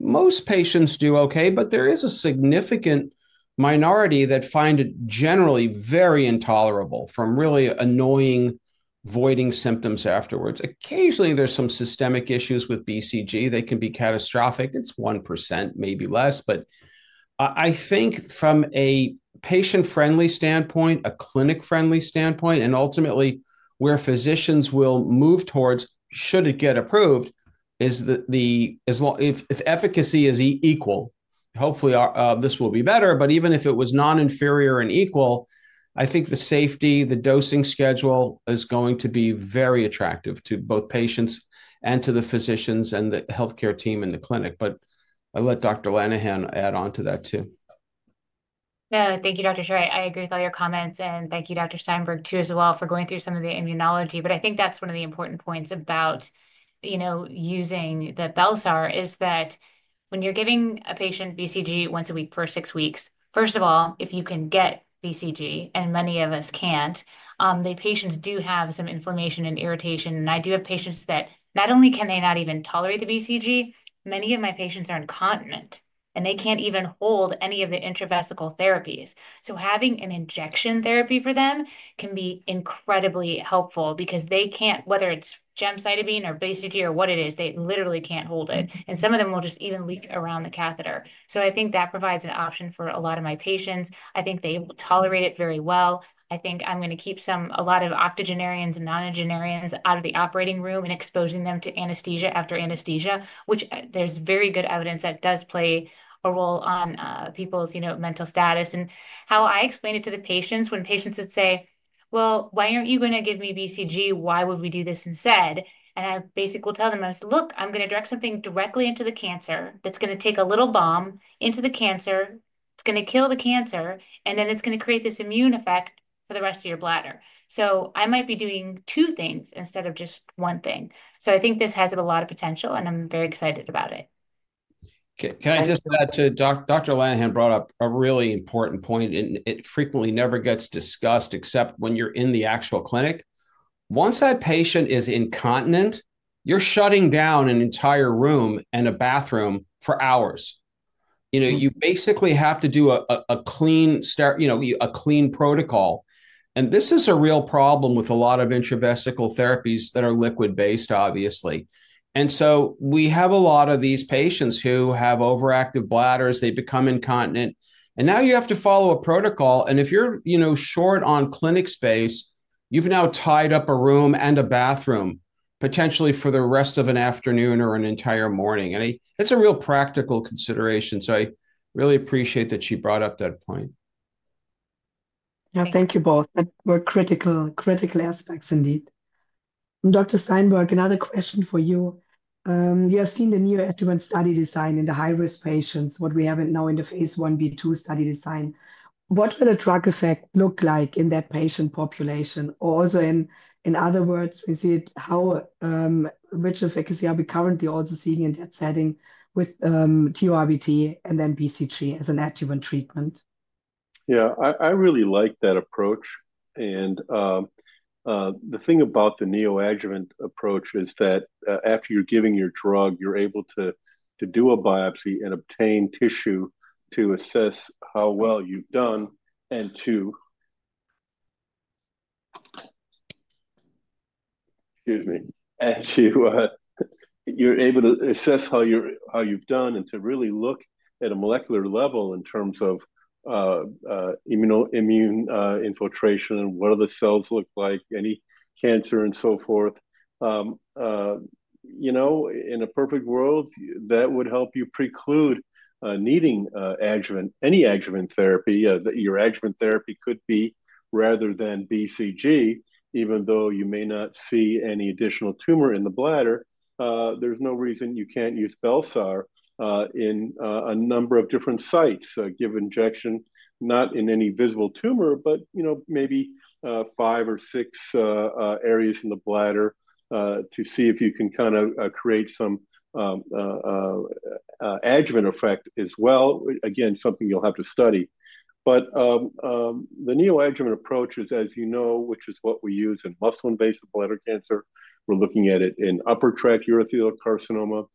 most patients do okay, but there is a significant minority that find it generally very intolerable from really annoying voiding symptoms afterwards. Occasionally, there's some systemic issues with BCG that can be catastrophic. It's 1%, maybe less, but I think from a patient-friendly standpoint, a clinic-friendly standpoint, and ultimately where physicians will move towards should it get approved is that if efficacy is equal, hopefully this will be better. Even if it was non-inferior and equal, I think the safety, the dosing schedule is going to be very attractive to both patients and to the physicians and the healthcare team in the clinic. I'll let Dr. Linehan, add on to that too. Yeah, thank you, Dr. Shore. I agree with all your comments. Thank you, Dr. Steinberg, too, as well for going through some of the immunology. I think that's one of the important points about using the Bel-sar is that when you're giving a patient BCG once a week for six weeks, first of all, if you can get BCG, and many of us can't, the patients do have some inflammation and irritation. I do have patients that not only can they not even tolerate the BCG, many of my patients are incontinent, and they can't even hold any of the intravesical therapies. Having an injection therapy for them can be incredibly helpful because they can't, whether it's gemcitabine or BCG or what it is, they literally can't hold it. Some of them will just even leak around the catheter. I think that provides an option for a lot of my patients. I think they will tolerate it very well. I think I'm going to keep a lot of octogenarians and nonagenarians out of the operating room and exposing them to anesthesia after anesthesia, which there's very good evidence that does play a role on people's mental status. How I explain it to the patients when patients would say, "Well, why aren't you going to give me BCG? Why would we do this instead?" I basically will tell them, "Look, I'm going to direct something directly into the cancer that's going to take a little bomb into the cancer. It's going to kill the cancer, and then it's going to create this immune effect for the rest of your bladder." I might be doing two things instead of just one thing. I think this has a lot of potential, and I'm very excited about it. Can I just add to Dr. Linehan brought up a really important point, and it frequently never gets discussed except when you're in the actual clinic. Once that patient is incontinent, you're shutting down an entire room and a bathroom for hours. You basically have to do a clean protocol. This is a real problem with a lot of intravesical therapies that are liquid-based, obviously. We have a lot of these patients who have overactive bladders. They become incontinent. Now you have to follow a protocol. If you're short on clinic space, you've now tied up a room and a bathroom potentially for the rest of an afternoon or an entire morning. That's a real practical consideration. I really appreciate that she brought up that point. Yeah, thank you both. Critical, critical aspects indeed. Dr. Steinberg, another question for you. You have seen the neoadjuvant study design in the high-risk patients, what we have now in the phase 1B2 study design. What will the drug effect look like in that patient population? Also, in other words, is it how which efficacy are we currently also seeing in that setting with TURBT and then BCG as an adjuvant treatment? Yeah, I really like that approach. The thing about the neoadjuvant approach is that after you're giving your drug, you're able to do a biopsy and obtain tissue to assess how well you've done and to, excuse me, you're able to assess how you've done and to really look at a molecular level in terms of immune infiltration and what do the cells look like, any cancer and so forth. In a perfect world, that would help you preclude needing any adjuvant therapy. Your adjuvant therapy could be rather than BCG, even though you may not see any additional tumor in the bladder. There's no reason you can't use Bel-sar in a number of different sites. Give injection, not in any visible tumor, but maybe five or six areas in the bladder to see if you can kind of create some adjuvant effect as well. Again, something you'll have to study. The neoadjuvant approach is, as you know, which is what we use in muscle-invasive bladder cancer. We're looking at it in upper tract urothelial carcinoma.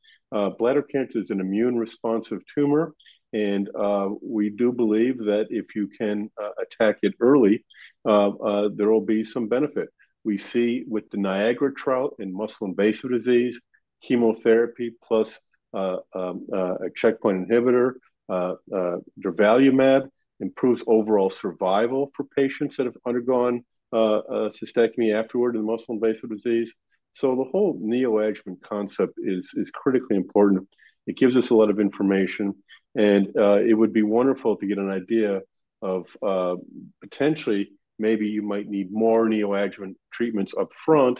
Bladder cancer is an immune-responsive tumor. We do believe that if you can attack it early, there will be some benefit. We see with the Niagara trial in muscle-invasive disease, chemotherapy plus a checkpoint inhibitor, durvalumab, improves overall survival for patients that have undergone a cystectomy afterward in muscle-invasive disease. The whole neoadjuvant concept is critically important. It gives us a lot of information. It would be wonderful to get an idea of potentially maybe you might need more neoadjuvant treatments upfront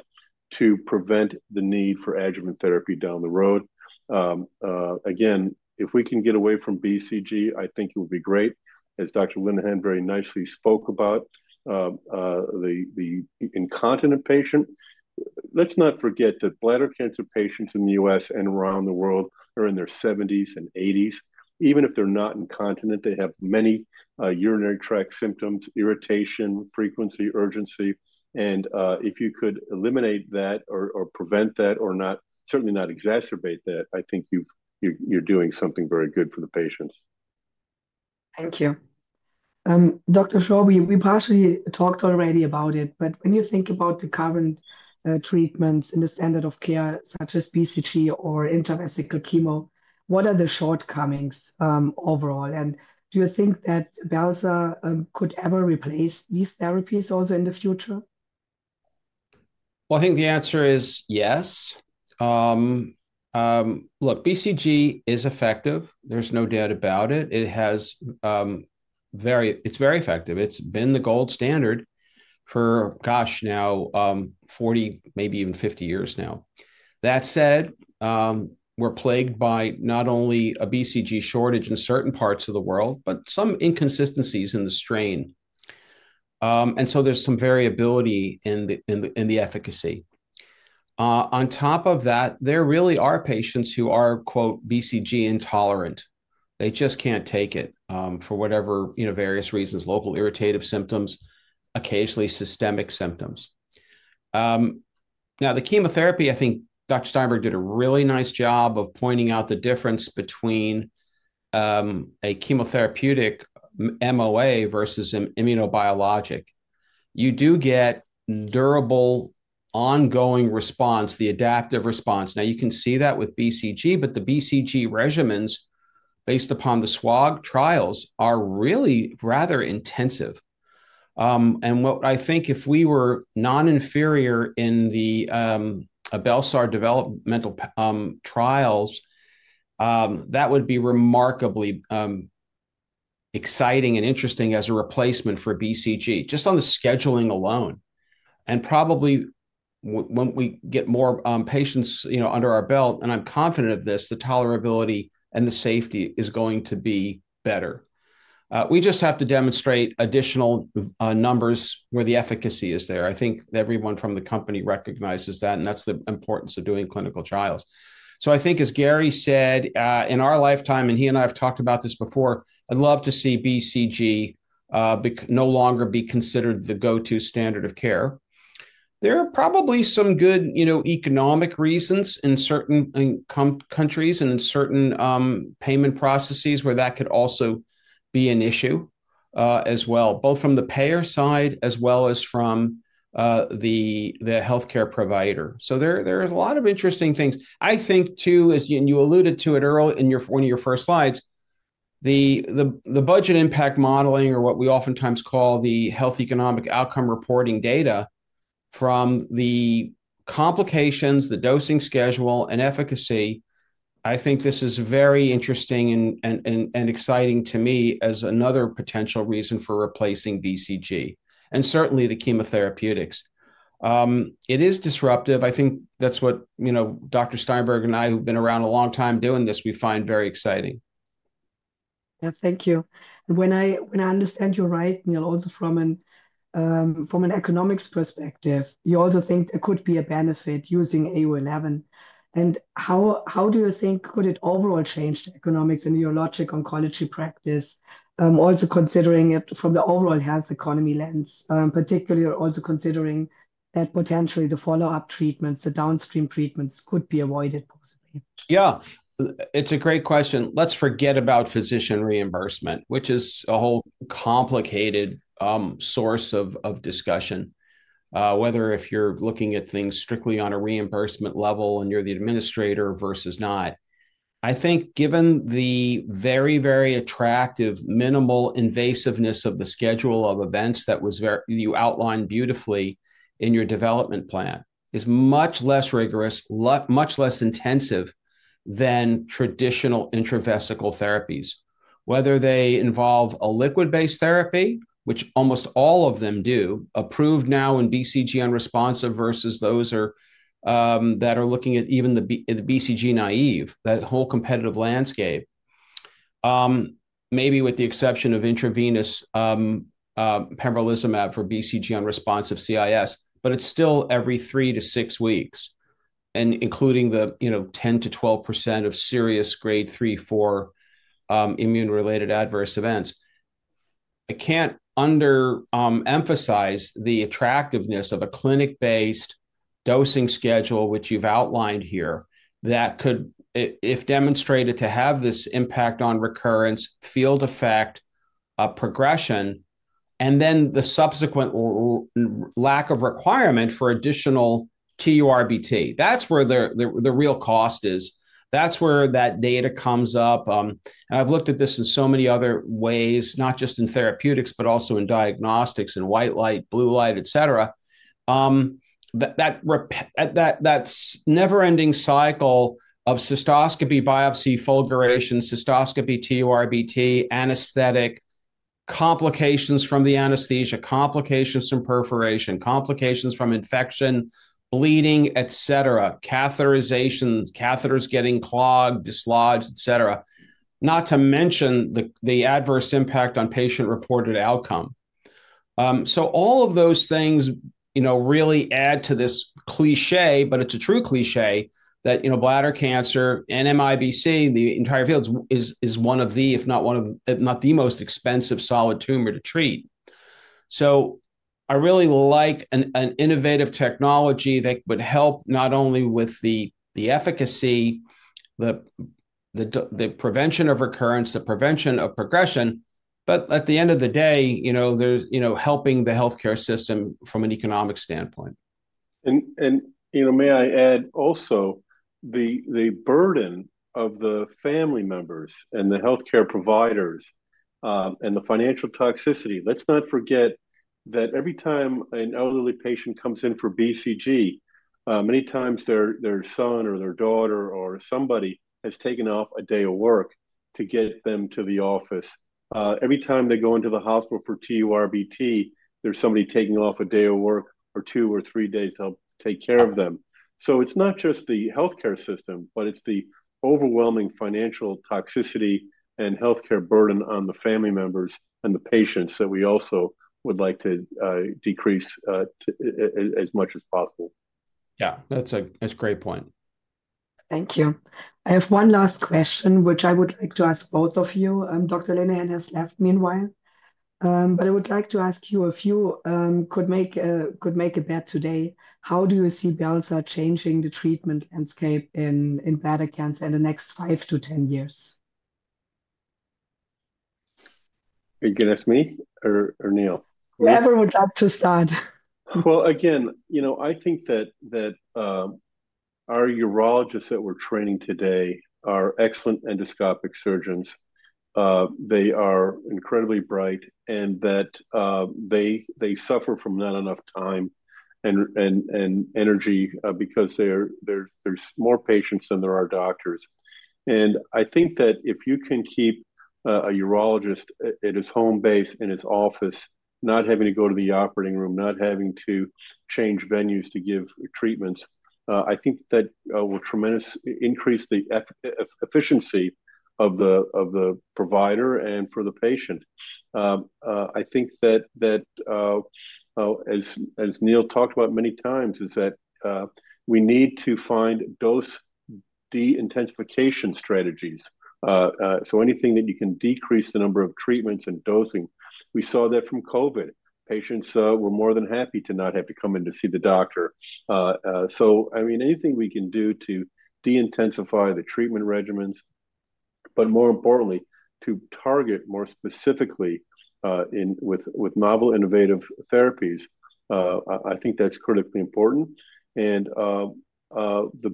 to prevent the need for adjuvant therapy down the road. Again, if we can get away from BCG, I think it would be great. As Dr. Linehan very nicely spoke about the incontinent patient, let's not forget that bladder cancer patients in the U.S. and around the world are in their 70s and 80s. Even if they're not incontinent, they have many urinary tract symptoms, irritation, frequency, urgency. If you could eliminate that or prevent that or certainly not exacerbate that, I think you're doing something very good for the patients. Thank you. Dr. Shore, we partially talked already about it, but when you think about the current treatments in the standard of care such as BCG or intravesical chemo, what are the shortcomings overall? Do you think that Bel-sar could ever replace these therapies also in the future? I think the answer is yes. Look, BCG is effective. There's no doubt about it. It's very effective. It's been the gold standard for, gosh, now 40, maybe even 50 years now. That said, we're plagued by not only a BCG shortage in certain parts of the world, but some inconsistencies in the strain. There is some variability in the efficacy. On top of that, there really are patients who are, quote, "BCG intolerant." They just can't take it for whatever various reasons, local irritative symptoms, occasionally systemic symptoms. Now, the chemotherapy, I think Dr. Steinberg did a really nice job of pointing out the difference between a chemotherapeutic MOA versus Immunobiologic. You do get durable ongoing response, the adaptive response. Now, you can see that with BCG, but the BCG regimens based upon the SWOG trials are really rather intensive. What I think if we were non-inferior in the Bel-sar developmental trials, that would be remarkably exciting and interesting as a replacement for BCG, just on the scheduling alone. Probably when we get more patients under our belt, and I'm confident of this, the tolerability and the safety is going to be better. We just have to demonstrate additional numbers where the efficacy is there. I think everyone from the company recognizes that, and that's the importance of doing clinical trials. I think, as Gary said, in our lifetime, and he and I have talked about this before, I'd love to see BCG no longer be considered the go-to standard of care. There are probably some good economic reasons in certain countries and in certain payment processes where that could also be an issue as well, both from the payer side as well as from the healthcare provider. There are a lot of interesting things. I think, too, as you alluded to it early in one of your first slides, the budget impact modeling or what we oftentimes call the health economic outcome reporting data from the complications, the dosing schedule, and efficacy, I think this is very interesting and exciting to me as another potential reason for replacing BCG and certainly the chemotherapeutics. It is disruptive. I think that's what Dr. Steinberg and I, who've been around a long time doing this, we find very exciting. Yeah, thank you. When I understand you're writing also from an economics perspective, you also think there could be a benefit using AU-011. How do you think could it overall change the economics and neurologic oncology practice, also considering it from the overall health economy lens, particularly also considering that potentially the follow-up treatments, the downstream treatments could be avoided possibly? Yeah, it's a great question. Let's forget about physician reimbursement, which is a whole complicated source of discussion, whether if you're looking at things strictly on a reimbursement level and you're the administrator versus not. I think given the very, very attractive minimal invasiveness of the schedule of events that you outlined beautifully in your development plan, it is much less rigorous, much less intensive than traditional intravesical therapies, whether they involve a liquid-based therapy, which almost all of them do, approved now in BCG unresponsive versus those that are looking at even the BCG naive, that whole competitive landscape, maybe with the exception of intravenous pembrolizumab for BCG unresponsive CIS, but it's still every three to six weeks, including the 10-12% of serious grade 3, 4 immune-related adverse events. I can't underemphasize the attractiveness of a clinic-based dosing schedule, which you've outlined here, that could, if demonstrated to have this impact on recurrence, field effect, progression, and then the subsequent lack of requirement for additional TURBT. That's where the real cost is. That's where that data comes up. I have looked at this in so many other ways, not just in therapeutics, but also in diagnostics and white light, blue light, etc. That never-ending cycle of cystoscopy, biopsy, fulguration, cystoscopy, TURBT, anesthetic, complications from the anesthesia, complications from perforation, complications from infection, bleeding, etc., catheterization, catheters getting clogged, dislodged, etc., not to mention the adverse impact on patient-reported outcome. All of those things really add to this cliché, but it's a true cliché that bladder cancer and MIBC, the entire field, is one of the, if not the most expensive solid tumor to treat. I really like an innovative technology that would help not only with the efficacy, the prevention of recurrence, the prevention of progression, but at the end of the day, helping the healthcare system from an economic standpoint. May I add also the burden of the family members and the healthcare providers and the financial toxicity? Let's not forget that every time an elderly patient comes in for BCG, many times their son or their daughter or somebody has taken off a day of work to get them to the office. Every time they go into the hospital for TURBT, there's somebody taking off a day of work or two or three days to help take care of them. It is not just the healthcare system, but it is the overwhelming financial toxicity and healthcare burden on the family members and the patients that we also would like to decrease as much as possible. Yeah, that is a great point. Thank you. I have one last question, which I would like to ask both of you. Dr. Linehan has left meanwhile, but I would like to ask you if you could make a bet today, how do you see Bel-sar changing the treatment landscape in bladder cancer in the next 5-10 years? You can ask me or Neal. Whoever would like to start. Again, I think that our urologists that we are training today are excellent endoscopic surgeons. They are incredibly bright and that they suffer from not enough time and energy because there are more patients than there are doctors. I think that if you can keep a urologist at his home base in his office, not having to go to the operating room, not having to change venues to give treatments, I think that will tremendously increase the efficiency of the provider and for the patient. I think that, as Neal talked about many times, is that we need to find dose de-intensification strategies. Anything that you can decrease the number of treatments and dosing. We saw that from COVID. Patients were more than happy to not have to come in to see the doctor. I mean, anything we can do to de-intensify the treatment regimens, but more importantly, to target more specifically with novel innovative therapies, I think that's critically important. The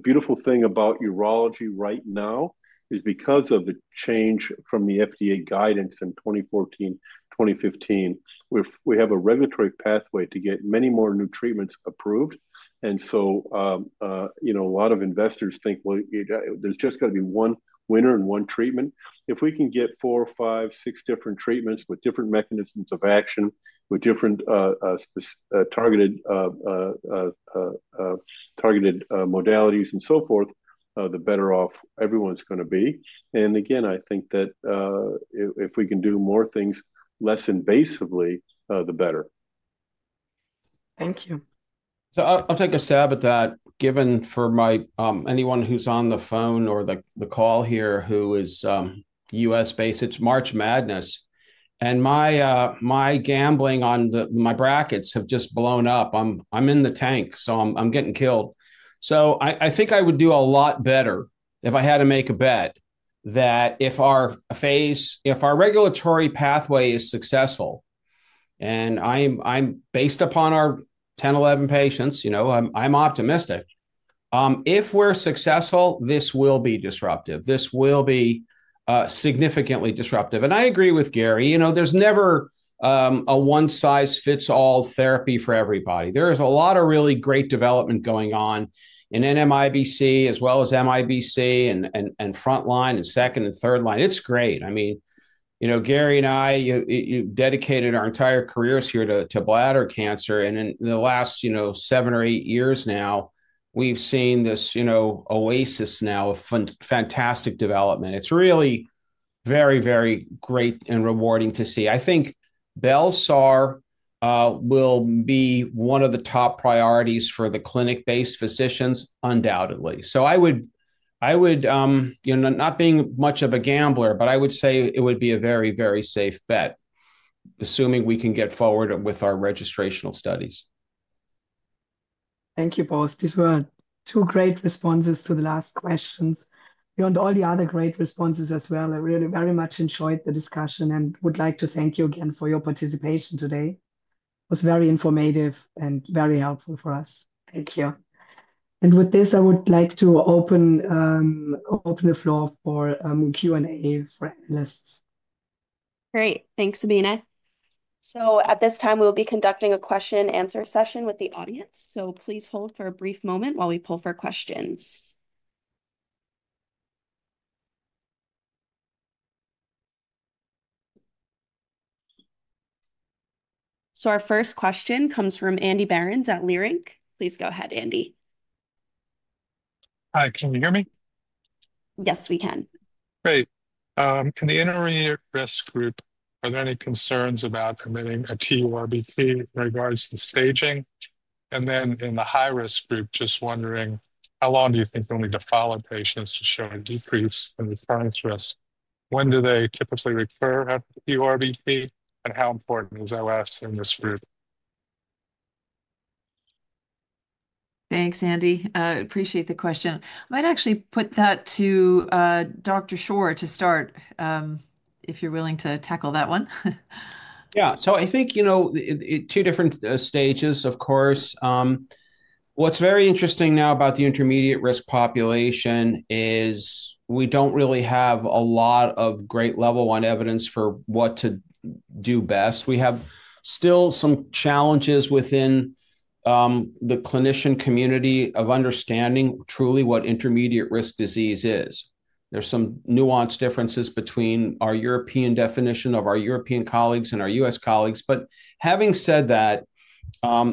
beautiful thing about urology right now is because of the change from the FDA guidance in 2014, 2015, we have a regulatory pathway to get many more new treatments approved. A lot of investors think, well, there's just got to be one winner and one treatment. If we can get four, five, six different treatments with different mechanisms of action, with different targeted modalities and so forth, the better off everyone's going to be. I think that if we can do more things less invasively, the better. Thank you. I'll take a stab at that, given for anyone who's on the phone or the call here who is US-based, it's March Madness. My gambling on my brackets have just blown up. I'm in the tank, so I'm getting killed. I think I would do a lot better if I had to make a bet that if our regulatory pathway is successful, and based upon our 10, 11 patients, I'm optimistic. If we're successful, this will be disruptive. This will be significantly disruptive. I agree with Gary. There's never a one-size-fits-all therapy for everybody. There is a lot of really great development going on in NMIBC as well as MIBC and frontline and second and third line. It's great. I mean, Gary and I, you dedicated our entire careers here to bladder cancer. In the last seven or eight years now, we've seen this oasis now of fantastic development. It's really very, very great and rewarding to see. I think Bel-sar will be one of the top priorities for the clinic-based physicians, undoubtedly. I would, not being much of a gambler, but I would say it would be a very, very safe bet, assuming we can get forward with our registrational studies. Thank you both. These were two great responses to the last questions. Beyond all the other great responses as well, I really very much enjoyed the discussion and would like to thank you again for your participation today. It was very informative and very helpful for us. Thank you. With this, I would like to open the floor for Q&A for analysts. Great. Thanks, Sabina. At this time, we'll be conducting a question-and-answer session with the audience. Please hold for a brief moment while we pull for questions. Our first question comes from Andy Barrons at Lyric. Please go ahead, Andy. Hi, can you hear me? Yes, we can. Great. In the intermediate risk group, are there any concerns about committing a TURBT in regards to staging? In the high-risk group, just wondering, how long do you think you'll need to follow patients to show a decrease in recurrence risk? When do they typically recur after TURBT? How important is OS in this group? Thanks, Andy. Appreciate the question. I might actually put that to Dr. Shore to start, if you're willing to tackle that one. Yeah. I think two different stages, of course. What's very interesting now about the intermediate risk population is we don't really have a lot of great level one evidence for what to do best. We have still some challenges within the clinician community of understanding truly what intermediate risk disease is. There's some nuanced differences between our European definition of our European colleagues and our US colleagues. Having said that,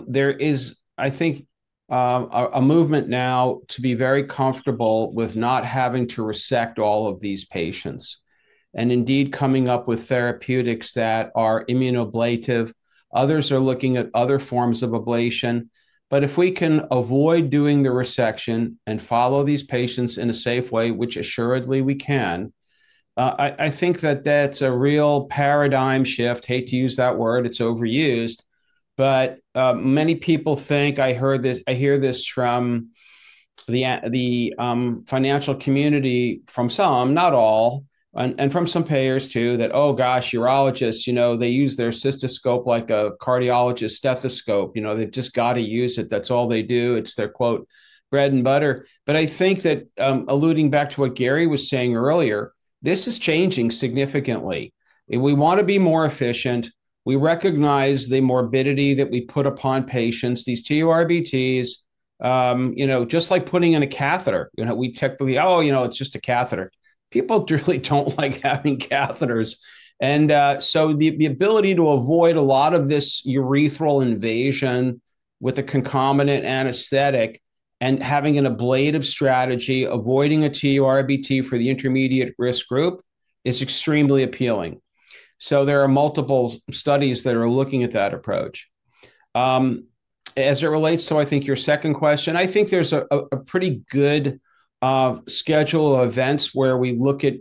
there is, I think, a movement now to be very comfortable with not having to resect all of these patients. I think, indeed, coming up with therapeutics that are Immunoablative. Others are looking at other forms of ablation. If we can avoid doing the resection and follow these patients in a safe way, which assuredly we can, I think that that's a real paradigm shift. I hate to use that word. It's overused. Many people think I hear this from the financial community, from some, not all, and from some payers too, that, "Oh, gosh, urologists, they use their cystoscope like a cardiologist's stethoscope. They've just got to use it. That's all they do. It's their bread and butter." I think that alluding back to what Gary was saying earlier, this is changing significantly. We want to be more efficient. We recognize the morbidity that we put upon patients, these TURBTs, just like putting in a catheter. We technically, "Oh, it's just a catheter." People really don't like having catheters. The ability to avoid a lot of this urethral invasion with a concomitant anesthetic and having an ablative strategy, avoiding a TURBT for the intermediate risk group is extremely appealing. There are multiple studies that are looking at that approach. As it relates to, I think, your second question, I think there's a pretty good schedule of events where we look at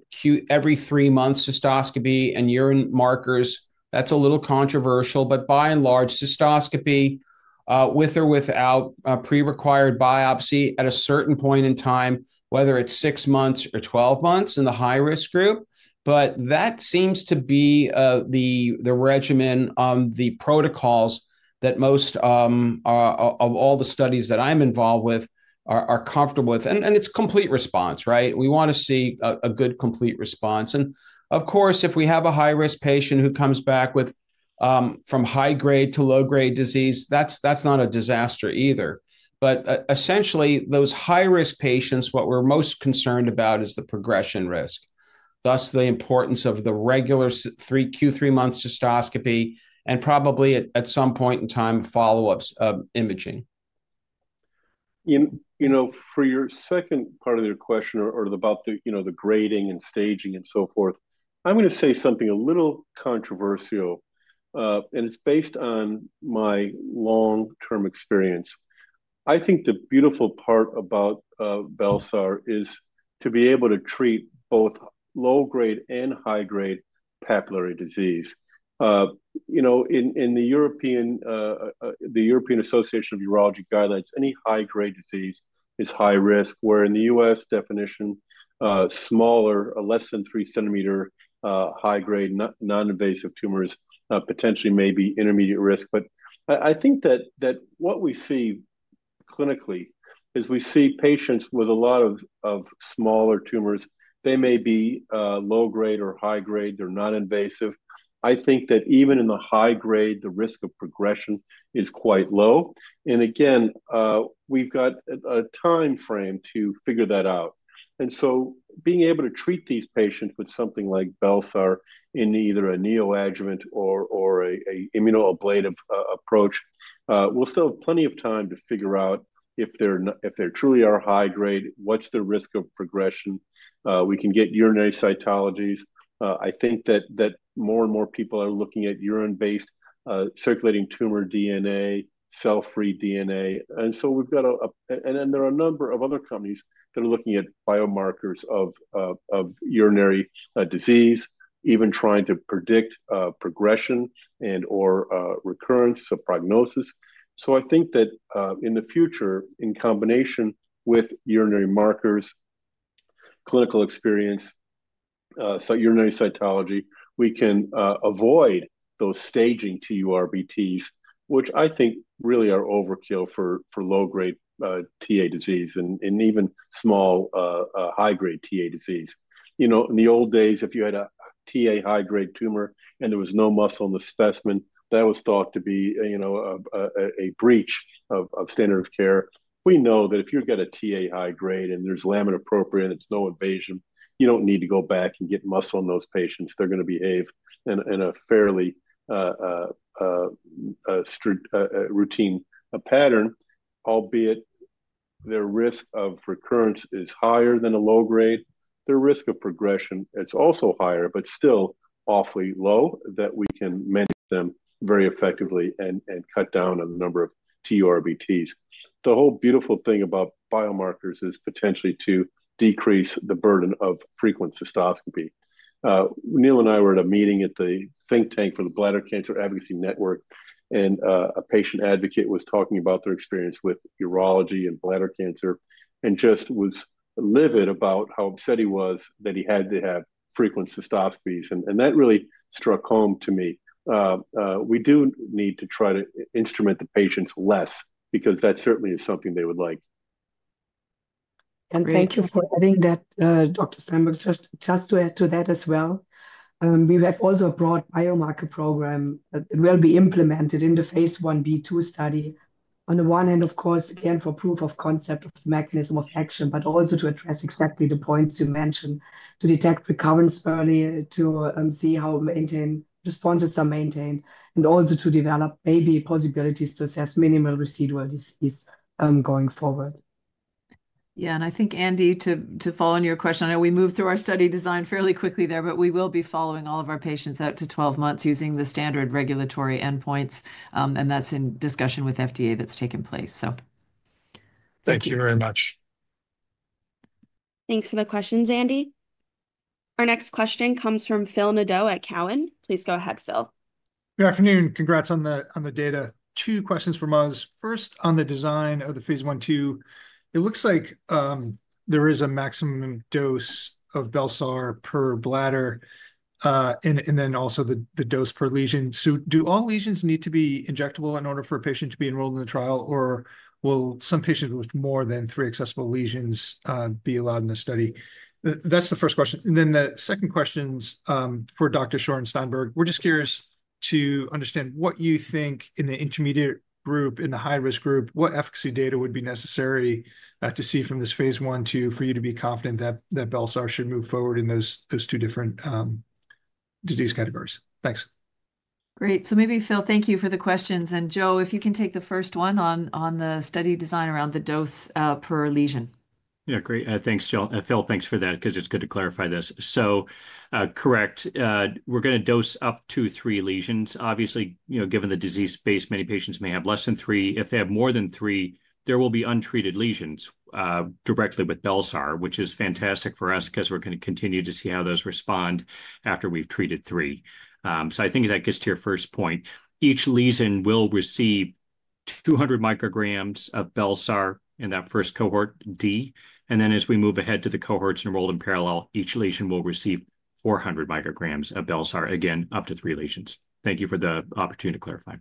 every three months cystoscopy and urine markers. That's a little controversial, but by and large, cystoscopy with or without pre-required biopsy at a certain point in time, whether it's 6 months or 12 months in the high-risk group. That seems to be the regimen of the protocols that most of all the studies that I'm involved with are comfortable with. It's complete response, right? We want to see a good complete response. Of course, if we have a high-risk patient who comes back from high-grade to low-grade disease, that's not a disaster either. Essentially, those high-risk patients, what we're most concerned about is the progression risk, thus the importance of the regular Q3 months cystoscopy and probably at some point in time, follow-up imaging. For your second part of your question about the grading and staging and so forth, I'm going to say something a little controversial, and it's based on my long-term experience. I think the beautiful part about Bel-sar is to be able to treat both low-grade and high-grade papillary disease. In the European Association of Urology Guidelines, any high-grade disease is high risk, where in the U.S. definition, smaller, less than 3-centimeter high-grade non-invasive tumors potentially may be intermediate risk. I think that what we see clinically is we see patients with a lot of smaller tumors. They may be low-grade or high-grade. They're non-invasive. I think that even in the high grade, the risk of progression is quite low. Again, we've got a time frame to figure that out. Being able to treat these patients with something like Bel-sar in either a neoadjuvant or an Immunoablative approach, we'll still have plenty of time to figure out if they truly are high-grade, what's the risk of progression. We can get urinary Cytologies. I think that more and more people are looking at urine-based circulating tumor DNA, cell-free DNA. We've got a number of other companies that are looking at biomarkers of urinary disease, even trying to predict progression and/or recurrence of prognosis. I think that in the future, in combination with urinary markers, clinical experience, urinary cytology, we can avoid those staging TURBTs, which I think really are overkill for low-grade TA disease and even small high-grade TA disease. In the old days, if you had a TA high-grade tumor and there was no muscle in the specimen, that was thought to be a breach of standard of care. We know that if you've got a TA high-grade and there's lamina propria, it's no invasion, you don't need to go back and get muscle in those patients. They're going to behave in a fairly routine pattern, albeit their risk of recurrence is higher than a low-grade. Their risk of progression is also higher, but still awfully low that we can manage them very effectively and cut down on the number of TURBTs. The whole beautiful thing about biomarkers is potentially to decrease the burden of frequent cystoscopy. Neal and I were at a meeting at the think tank for the Bladder Cancer Advocacy Network, and a patient advocate was talking about their experience with urology and bladder cancer and just was livid about how upset he was that he had to have frequent cystoscopies. That really struck home to me. We do need to try to instrument the patients less because that certainly is something they would like. Thank you for adding that, Dr. Sambas. Just to add to that as well, we have also a broad biomarker program that will be implemented in the phase 1B2 study. On the one hand, of course, again, for proof of concept of mechanism of action, but also to address exactly the points you mentioned to detect recurrence earlier, to see how response is maintained, and also to develop maybe possibilities to assess minimal residual disease going forward. Yeah. I think, Andy, to follow on your question, I know we moved through our study design fairly quickly there, but we will be following all of our patients out to 12 months using the standard regulatory endpoints. That is in discussion with FDA that has taken place. Thank you very much. Thanks for the questions, Andy. Our next question comes from Phil Nadeau at Cowen. Please go ahead, Phil. Good afternoon. Congrats on the data. Two questions for MOZ. First, on the design of the phase 1, 2, it looks like there is a maximum dose of Bel-sar per bladder and then also the dose per lesion. Do all lesions need to be injectable in order for a patient to be enrolled in the trial, or will some patients with more than three accessible lesions be allowed in the study? That is the first question. The second question is for Dr. Shore and Steinberg. We are just curious to understand what you think in the intermediate group, in the high-risk group, what efficacy data would be necessary to see from this phase 1, 2 for you to be confident that Bel-sar should move forward in those two different disease categories. Thanks. Great. Maybe, Phil, thank you for the questions. Joe, if you can take the first one on the study design around the dose per lesion. Yeah. Great. Thanks, Phil. Thanks for that because it's good to clarify this. Correct. We're going to dose up to three lesions. Obviously, given the disease space, many patients may have less than three. If they have more than three, there will be untreated lesions directly with Bel-sar, which is fantastic for us because we're going to continue to see how those respond after we've treated three. I think that gets to your first point. Each lesion will receive 200 micrograms of Bel-sar in that first cohort, D. As we move ahead to the cohorts enrolled in parallel, each lesion will receive 400 micrograms of Bel-sar, again, up to three lesions. Thank you for the opportunity to clarify.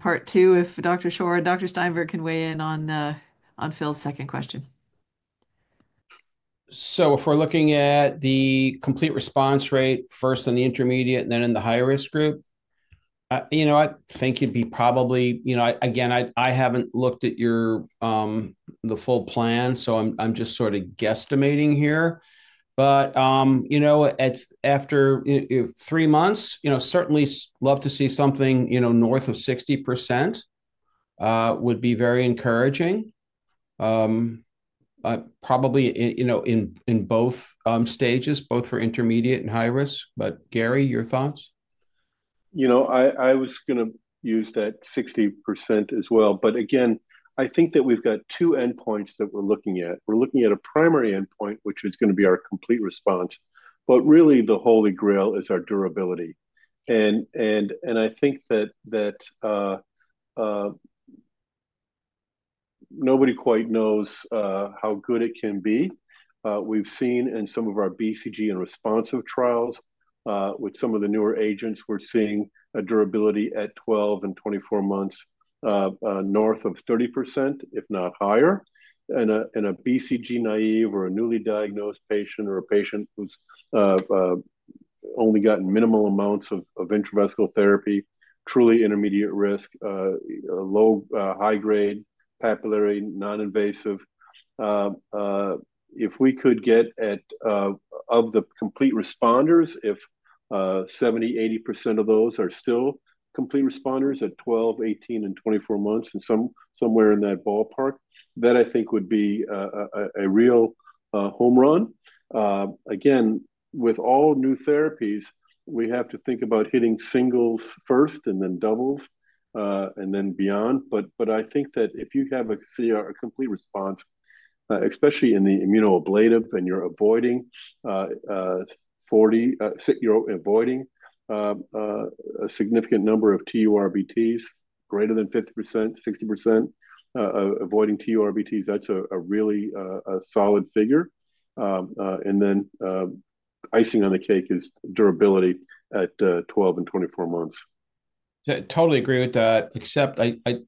Part two, if Dr. Shore and Dr. Steinberg can weigh in on Phil's second question. If we're looking at the complete response rate first in the intermediate and then in the high-risk group, I think it'd be probably—again, I haven't looked at the full plan, so I'm just sort of guesstimating here. After three months, certainly love to see something north of 60% would be very encouraging, probably in both stages, both for intermediate and high-risk. Gary, your thoughts? I was going to use that 60% as well. Again, I think that we've got two endpoints that we're looking at. We're looking at a primary endpoint, which is going to be our complete response. Really, the holy grail is our durability. I think that nobody quite knows how good it can be. We've seen in some of our BCG and responsive trials with some of the newer agents, we're seeing a durability at 12 and 24 months north of 30%, if not higher. In a BCG naive or a newly diagnosed patient or a patient who's only gotten minimal amounts of intravesical therapy, truly intermediate risk, low-high-grade papillary, non-invasive. If we could get out of the complete responders, if 70-80% of those are still complete responders at 12, 18, and 24 months and somewhere in that ballpark, that I think would be a real home run. Again, with all new therapies, we have to think about hitting singles first and then doubles and then beyond. I think that if you have a complete response, especially in the Immunoablative and you're avoiding a significant number of TURBTs, greater than 50%, 60% avoiding TURBTs, that's a really solid figure. Icing on the cake is durability at 12 and 24 months. Totally agree with that, except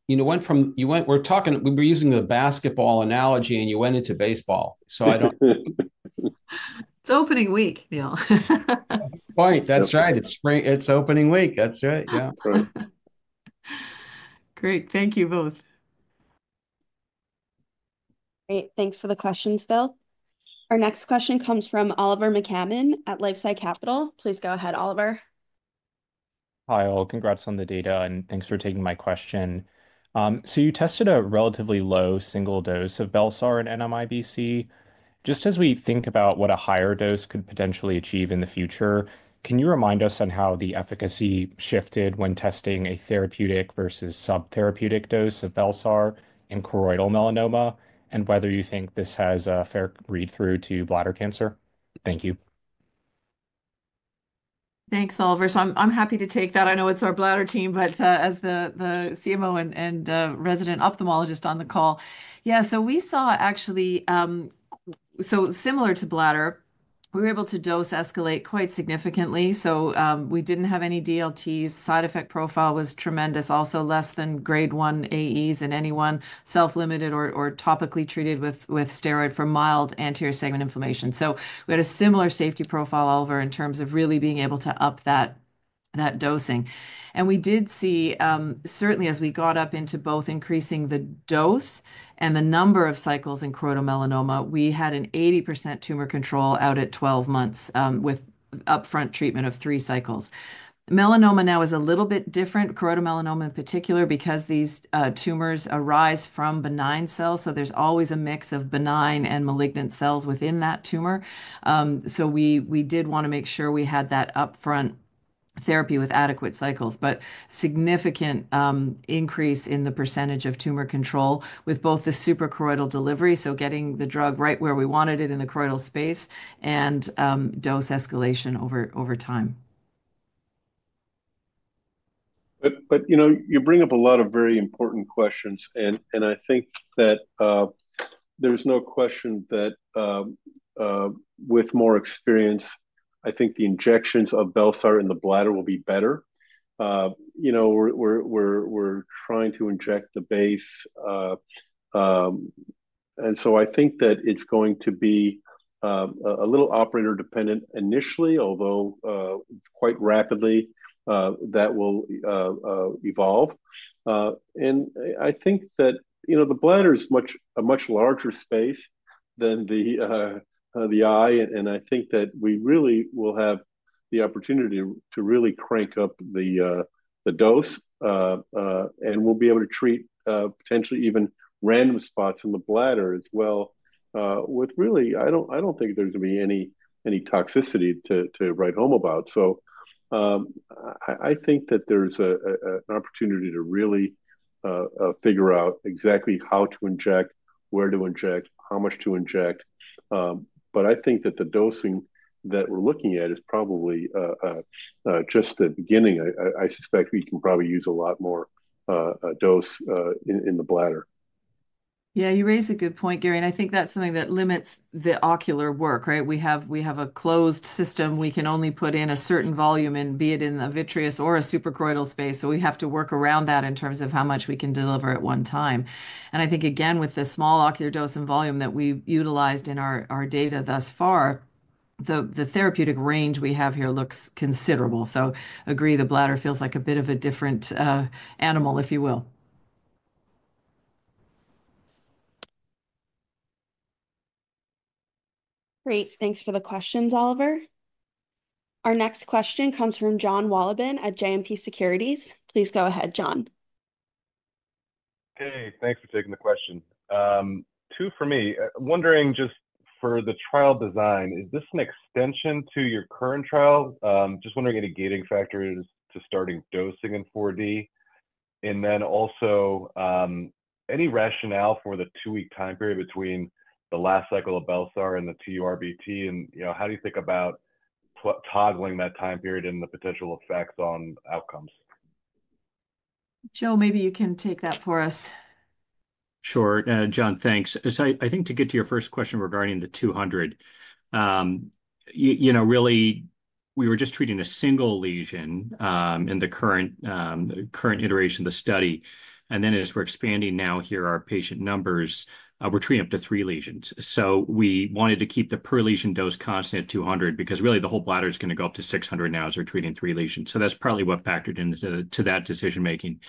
you went from—we're talking we were using the basketball analogy, and you went into baseball. I don't— It's opening week, Neal. Right. That's right. It's opening week. That's right. Yeah. Great. Thank you both. Great. Thanks for the questions, Phil. Our next question comes from Oliver McCammon at LifeSci Capital. Please go ahead, Oliver. Hi, all. Congrats on the data, and thanks for taking my question. You tested a relatively low single dose of Bel-sar in NMIBC. Just as we think about what a higher dose could potentially achieve in the future, can you remind us on how the efficacy shifted when testing a therapeutic versus subtherapeutic dose of Bel-sar in choroidal melanoma and whether you think this has a fair read-through to bladder cancer? Thank you. Thanks, Oliver. I'm happy to take that. I know it's our bladder team, but as the CMO and resident ophthalmologist on the call, yeah, we saw actually—so similar to bladder, we were able to dose escalate quite significantly. We didn't have any DLTs. Side effect profile was tremendous, also less than grade 1 AEs in anyone, self-limited or topically treated with steroid for mild anterior segment inflammation. We had a similar safety profile, Oliver, in terms of really being able to up that dosing. We did see, certainly, as we got up into both increasing the dose and the number of cycles in choroidal melanoma, we had an 80% tumor control out at 12 months with upfront treatment of three cycles. Melanoma now is a little bit different, choroidal melanoma in particular, because these tumors arise from benign cells. There is always a mix of benign and malignant cells within that tumor. We did want to make sure we had that upfront therapy with adequate cycles, but significant increase in the percentage of tumor control with both the Suprachoroidal delivery, getting the drug right where we wanted it in the choroidal space, and dose escalation over time. You bring up a lot of very important questions. I think that there is no question that with more experience, the injections of Bel-sar in the bladder will be better. We are trying to inject the base. I think that it is going to be a little operator-dependent initially, although quite rapidly that will evolve. I think that the bladder is a much larger space than the eye. I think that we really will have the opportunity to really crank up the dose. We'll be able to treat potentially even random spots in the bladder as well with really—I don't think there's going to be any toxicity to write home about. I think that there's an opportunity to really figure out exactly how to inject, where to inject, how much to inject. I think that the dosing that we're looking at is probably just the beginning. I suspect we can probably use a lot more dose in the bladder. Yeah, you raise a good point, Gary. I think that's something that limits the ocular work, right? We have a closed system. We can only put in a certain volume, be it in the vitreous or a Suprachoroidal space. We have to work around that in terms of how much we can deliver at one time. I think, again, with the small ocular dose and volume that we utilized in our data thus far, the therapeutic range we have here looks considerable. Agree, the bladder feels like a bit of a different animal, if you will. Great. Thanks for the questions, Oliver. Our next question comes from John Wolleben at JMP Securities. Please go ahead, John. Hey, thanks for taking the question. Two for me. Wondering just for the trial design, is this an extension to your current trial? Just wondering any gating factors to starting dosing in 4D. Also, any rationale for the two-week time period between the last cycle of Bel-sar and the TURBT? How do you think about toggling that time period and the potential effects on outcomes? Joe, maybe you can take that for us. Sure. John, thanks. I think to get to your first question regarding the 200, really, we were just treating a single lesion in the current iteration of the study. As we're expanding now here, our patient numbers, we're treating up to three lesions. We wanted to keep the per lesion dose constant at 200 because really the whole bladder is going to go up to 600 now as we're treating three lesions. That's partly what factored into that decision-making.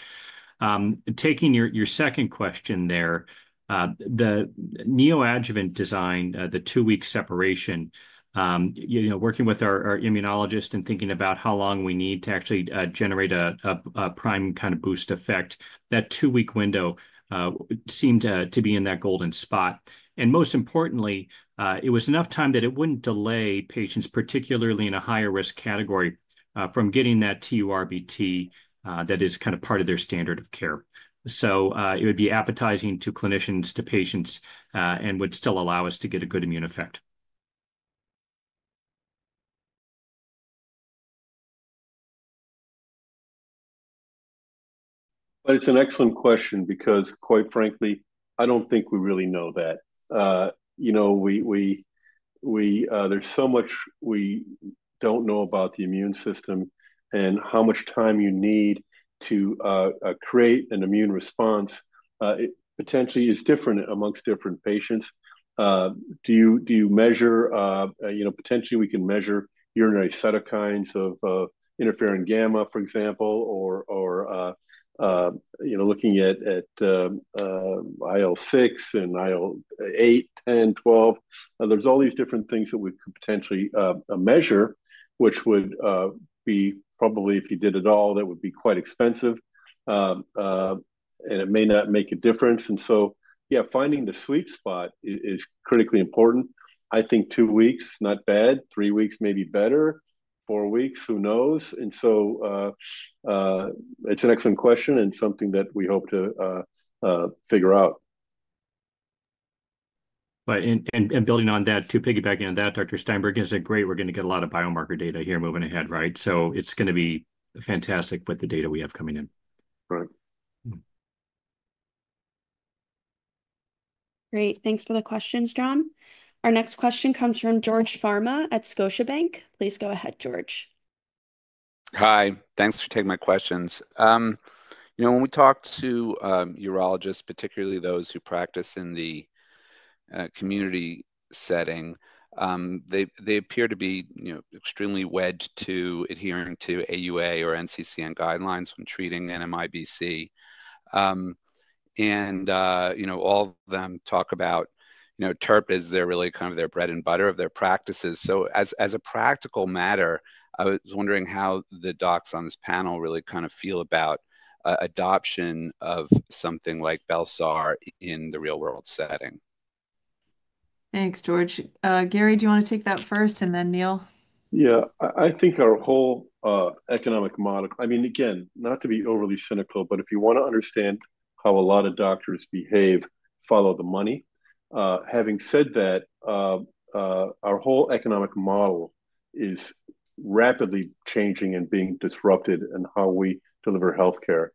Taking your second question there, the neoadjuvant design, the two-week separation, working with our immunologist and thinking about how long we need to actually generate a prime kind of boost effect, that two-week window seemed to be in that golden spot. Most importantly, it was enough time that it would not delay patients, particularly in a higher-risk category, from getting that TURBT that is kind of part of their standard of care. It would be appetizing to clinicians, to patients, and would still allow us to get a good immune effect. It is an excellent question because, quite frankly, I do not think we really know that. There is so much we do not know about the immune system and how much time you need to create an immune response. It potentially is different amongst different patients. Do you measure? Potentially, we can measure urinary cytokines of interferon gamma, for example, or looking at IL-6 and IL-8, 10, 12. There are all these different things that we could potentially measure, which would be probably, if you did it all, that would be quite expensive. It may not make a difference. Yeah, finding the sweet spot is critically important. I think two weeks, not bad. Three weeks, maybe better. Four weeks, who knows? It is an excellent question and something that we hope to figure out. Right. Building on that, to piggyback on that, Dr. Steinberg, is it great? We are going to get a lot of biomarker data here moving ahead, right? It is going to be fantastic with the data we have coming in. Right. Great. Thanks for the questions, John. Our next question comes from George Farmer at Scotiabank. Please go ahead, George. Hi. Thanks for taking my questions. When we talk to urologists, particularly those who practice in the community setting, they appear to be extremely wedged to adhering to AUA or NCCN guidelines when treating NMIBC. All of them talk about TURBT as they're really kind of their bread and butter of their practices. As a practical matter, I was wondering how the docs on this panel really kind of feel about adoption of something like Bel-sar in the real-world setting. Thanks, George. Gary, do you want to take that first and then Neal? Yeah. I think our whole economic model—I mean, again, not to be overly cynical, but if you want to understand how a lot of doctors behave, follow the money. Having said that, our whole economic model is rapidly changing and being disrupted in how we deliver healthcare.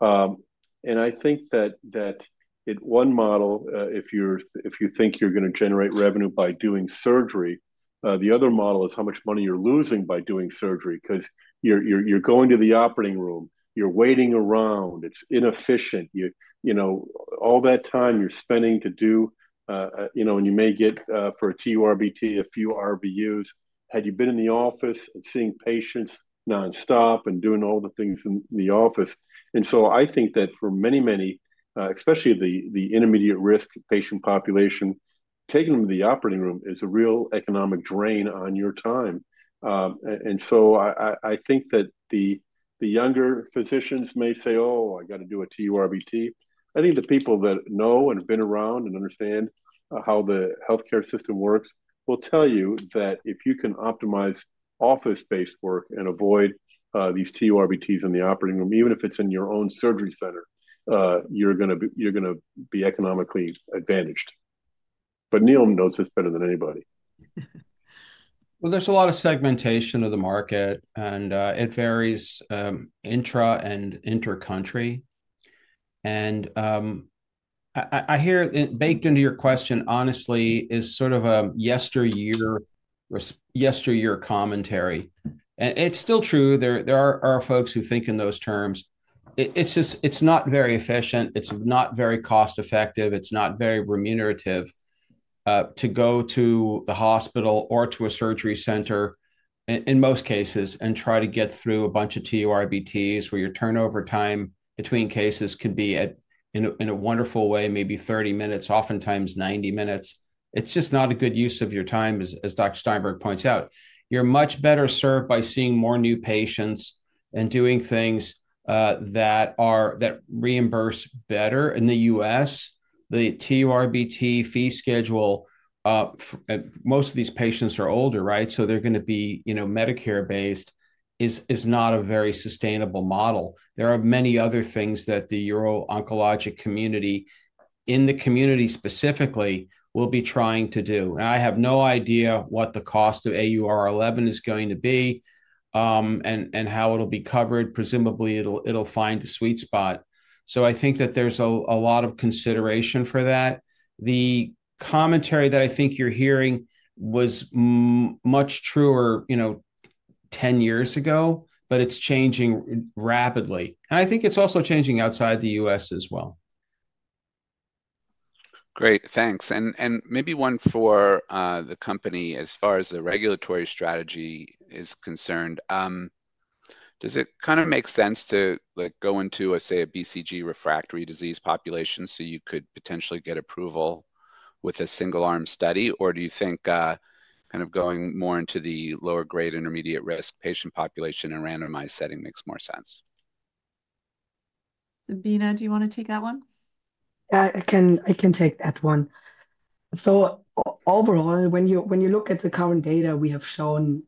I think that one model, if you think you're going to generate revenue by doing surgery, the other model is how much money you're losing by doing surgery because you're going to the operating room. You're waiting around. It's inefficient. All that time you're spending to do—and you may get for a TURBT a few RVUs. Had you been in the office and seeing patients nonstop and doing all the things in the office? I think that for many, many, especially the intermediate risk patient population, taking them to the operating room is a real economic drain on your time. I think that the younger physicians may say, "Oh, I got to do a TURBT." I think the people that know and have been around and understand how the healthcare system works will tell you that if you can optimize office-based work and avoid these TURBTs in the operating room, even if it's in your own surgery center, you're going to be economically advantaged. Neal knows this better than anybody. There is a lot of segmentation of the market, and it varies intra and inter-country. I hear baked into your question, honestly, is sort of a yesteryear commentary. It is still true. There are folks who think in those terms. It is not very efficient. It is not very cost-effective. It is not very remunerative to go to the hospital or to a surgery center in most cases and try to get through a bunch of TURBTs where your turnover time between cases can be, in a wonderful way, maybe 30 minutes, oftentimes 90 minutes. It is just not a good use of your time, as Dr. Steinberg points out. You are much better served by seeing more new patients and doing things that reimburse better. In the U.S., the TURBT fee schedule—most of these patients are older, right? So they are going to be Medicare-based—is not a very sustainable model. There are many other things that the Uro-oncologic community in the community specifically will be trying to do. I have no idea what the cost of AU-011 is going to be and how it'll be covered. Presumably, it'll find a sweet spot. I think that there's a lot of consideration for that. The commentary that I think you're hearing was much truer 10 years ago, but it's changing rapidly. I think it's also changing outside the U.S. as well. Great. Thanks. Maybe one for the company as far as the regulatory strategy is concerned. Does it kind of make sense to go into, say, a BCG refractory disease population so you could potentially get approval with a single-arm study? Or do you think kind of going more into the lower-grade intermediate risk patient population in a randomized setting makes more sense? Sabina, do you want to take that one? I can take that one. Overall, when you look at the current data we have shown,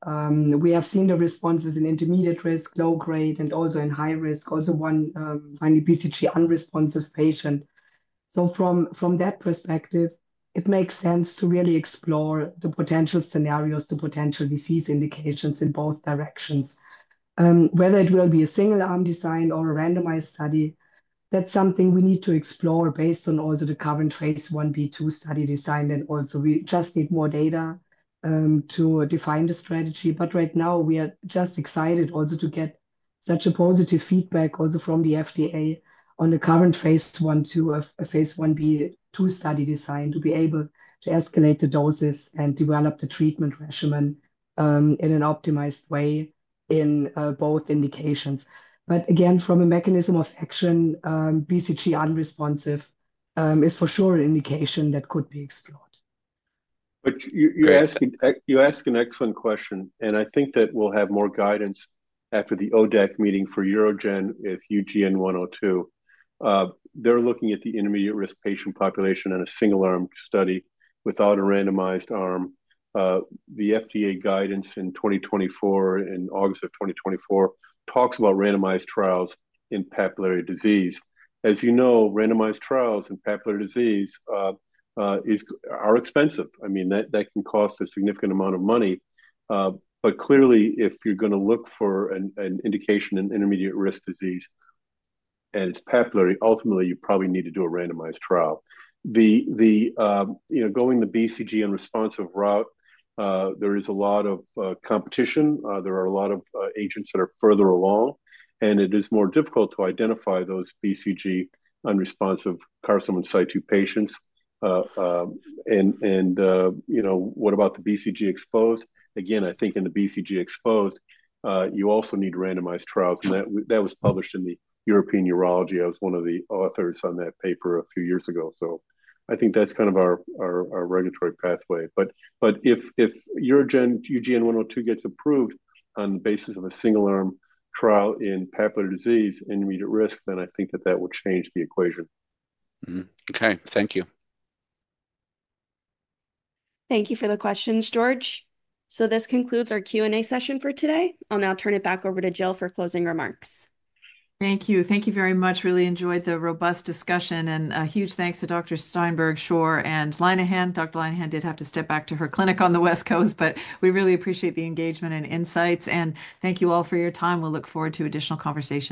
we have seen the responses in intermediate-risk, low-grade, and also in high-risk, also one finding BCG unresponsive patient. From that perspective, it makes sense to really explore the potential scenarios, the potential disease indications in both directions. Whether it will be a single-arm design or a randomized study, that's something we need to explore based on also the current phase 1B2 study design. Also, we just need more data to define the strategy. Right now, we are just excited also to get such positive feedback also from the FDA on the current phase 1B2 study design to be able to escalate the doses and develop the treatment regimen in an optimized way in both indications. Again, from a mechanism of action, BCG unresponsive is for sure an indication that could be explored. You asked an excellent question. I think that we'll have more guidance after the ODEC meeting for Eurogen with UGN 102. They're looking at the intermediate risk patient population in a single-arm study without a randomized arm. The FDA guidance in 2024, in August of 2024, talks about randomized trials in papillary disease. As you know, randomized trials in papillary disease are expensive. I mean, that can cost a significant amount of money. Clearly, if you're going to look for an indication in intermediate risk disease and it's papillary, ultimately, you probably need to do a randomized trial. Going the BCG unresponsive route, there is a lot of competition. There are a lot of agents that are further along. It is more difficult to identify those BCG unresponsive carcinoma in situ patients. What about the BCG exposed? Again, I think in the BCG exposed, you also need randomized trials. That was published in the European Urology. I was one of the authors on that paper a few years ago. I think that's kind of our regulatory pathway. If UGN 102 gets approved on the basis of a single-arm trial in papillary disease intermediate risk, then I think that that will change the equation. Okay. Thank you. Thank you for the questions, George. This concludes our Q&A session for today. I'll now turn it back over to Jill for closing remarks. Thank you. Thank you very much. Really enjoyed the robust discussion. Huge thanks to Dr. Steinberg, Shore, and Linehan. Dr. Linehan did have to step back to her clinic on the West Coast, but we really appreciate the engagement and insights. Thank you all for your time. We'll look forward to additional conversations.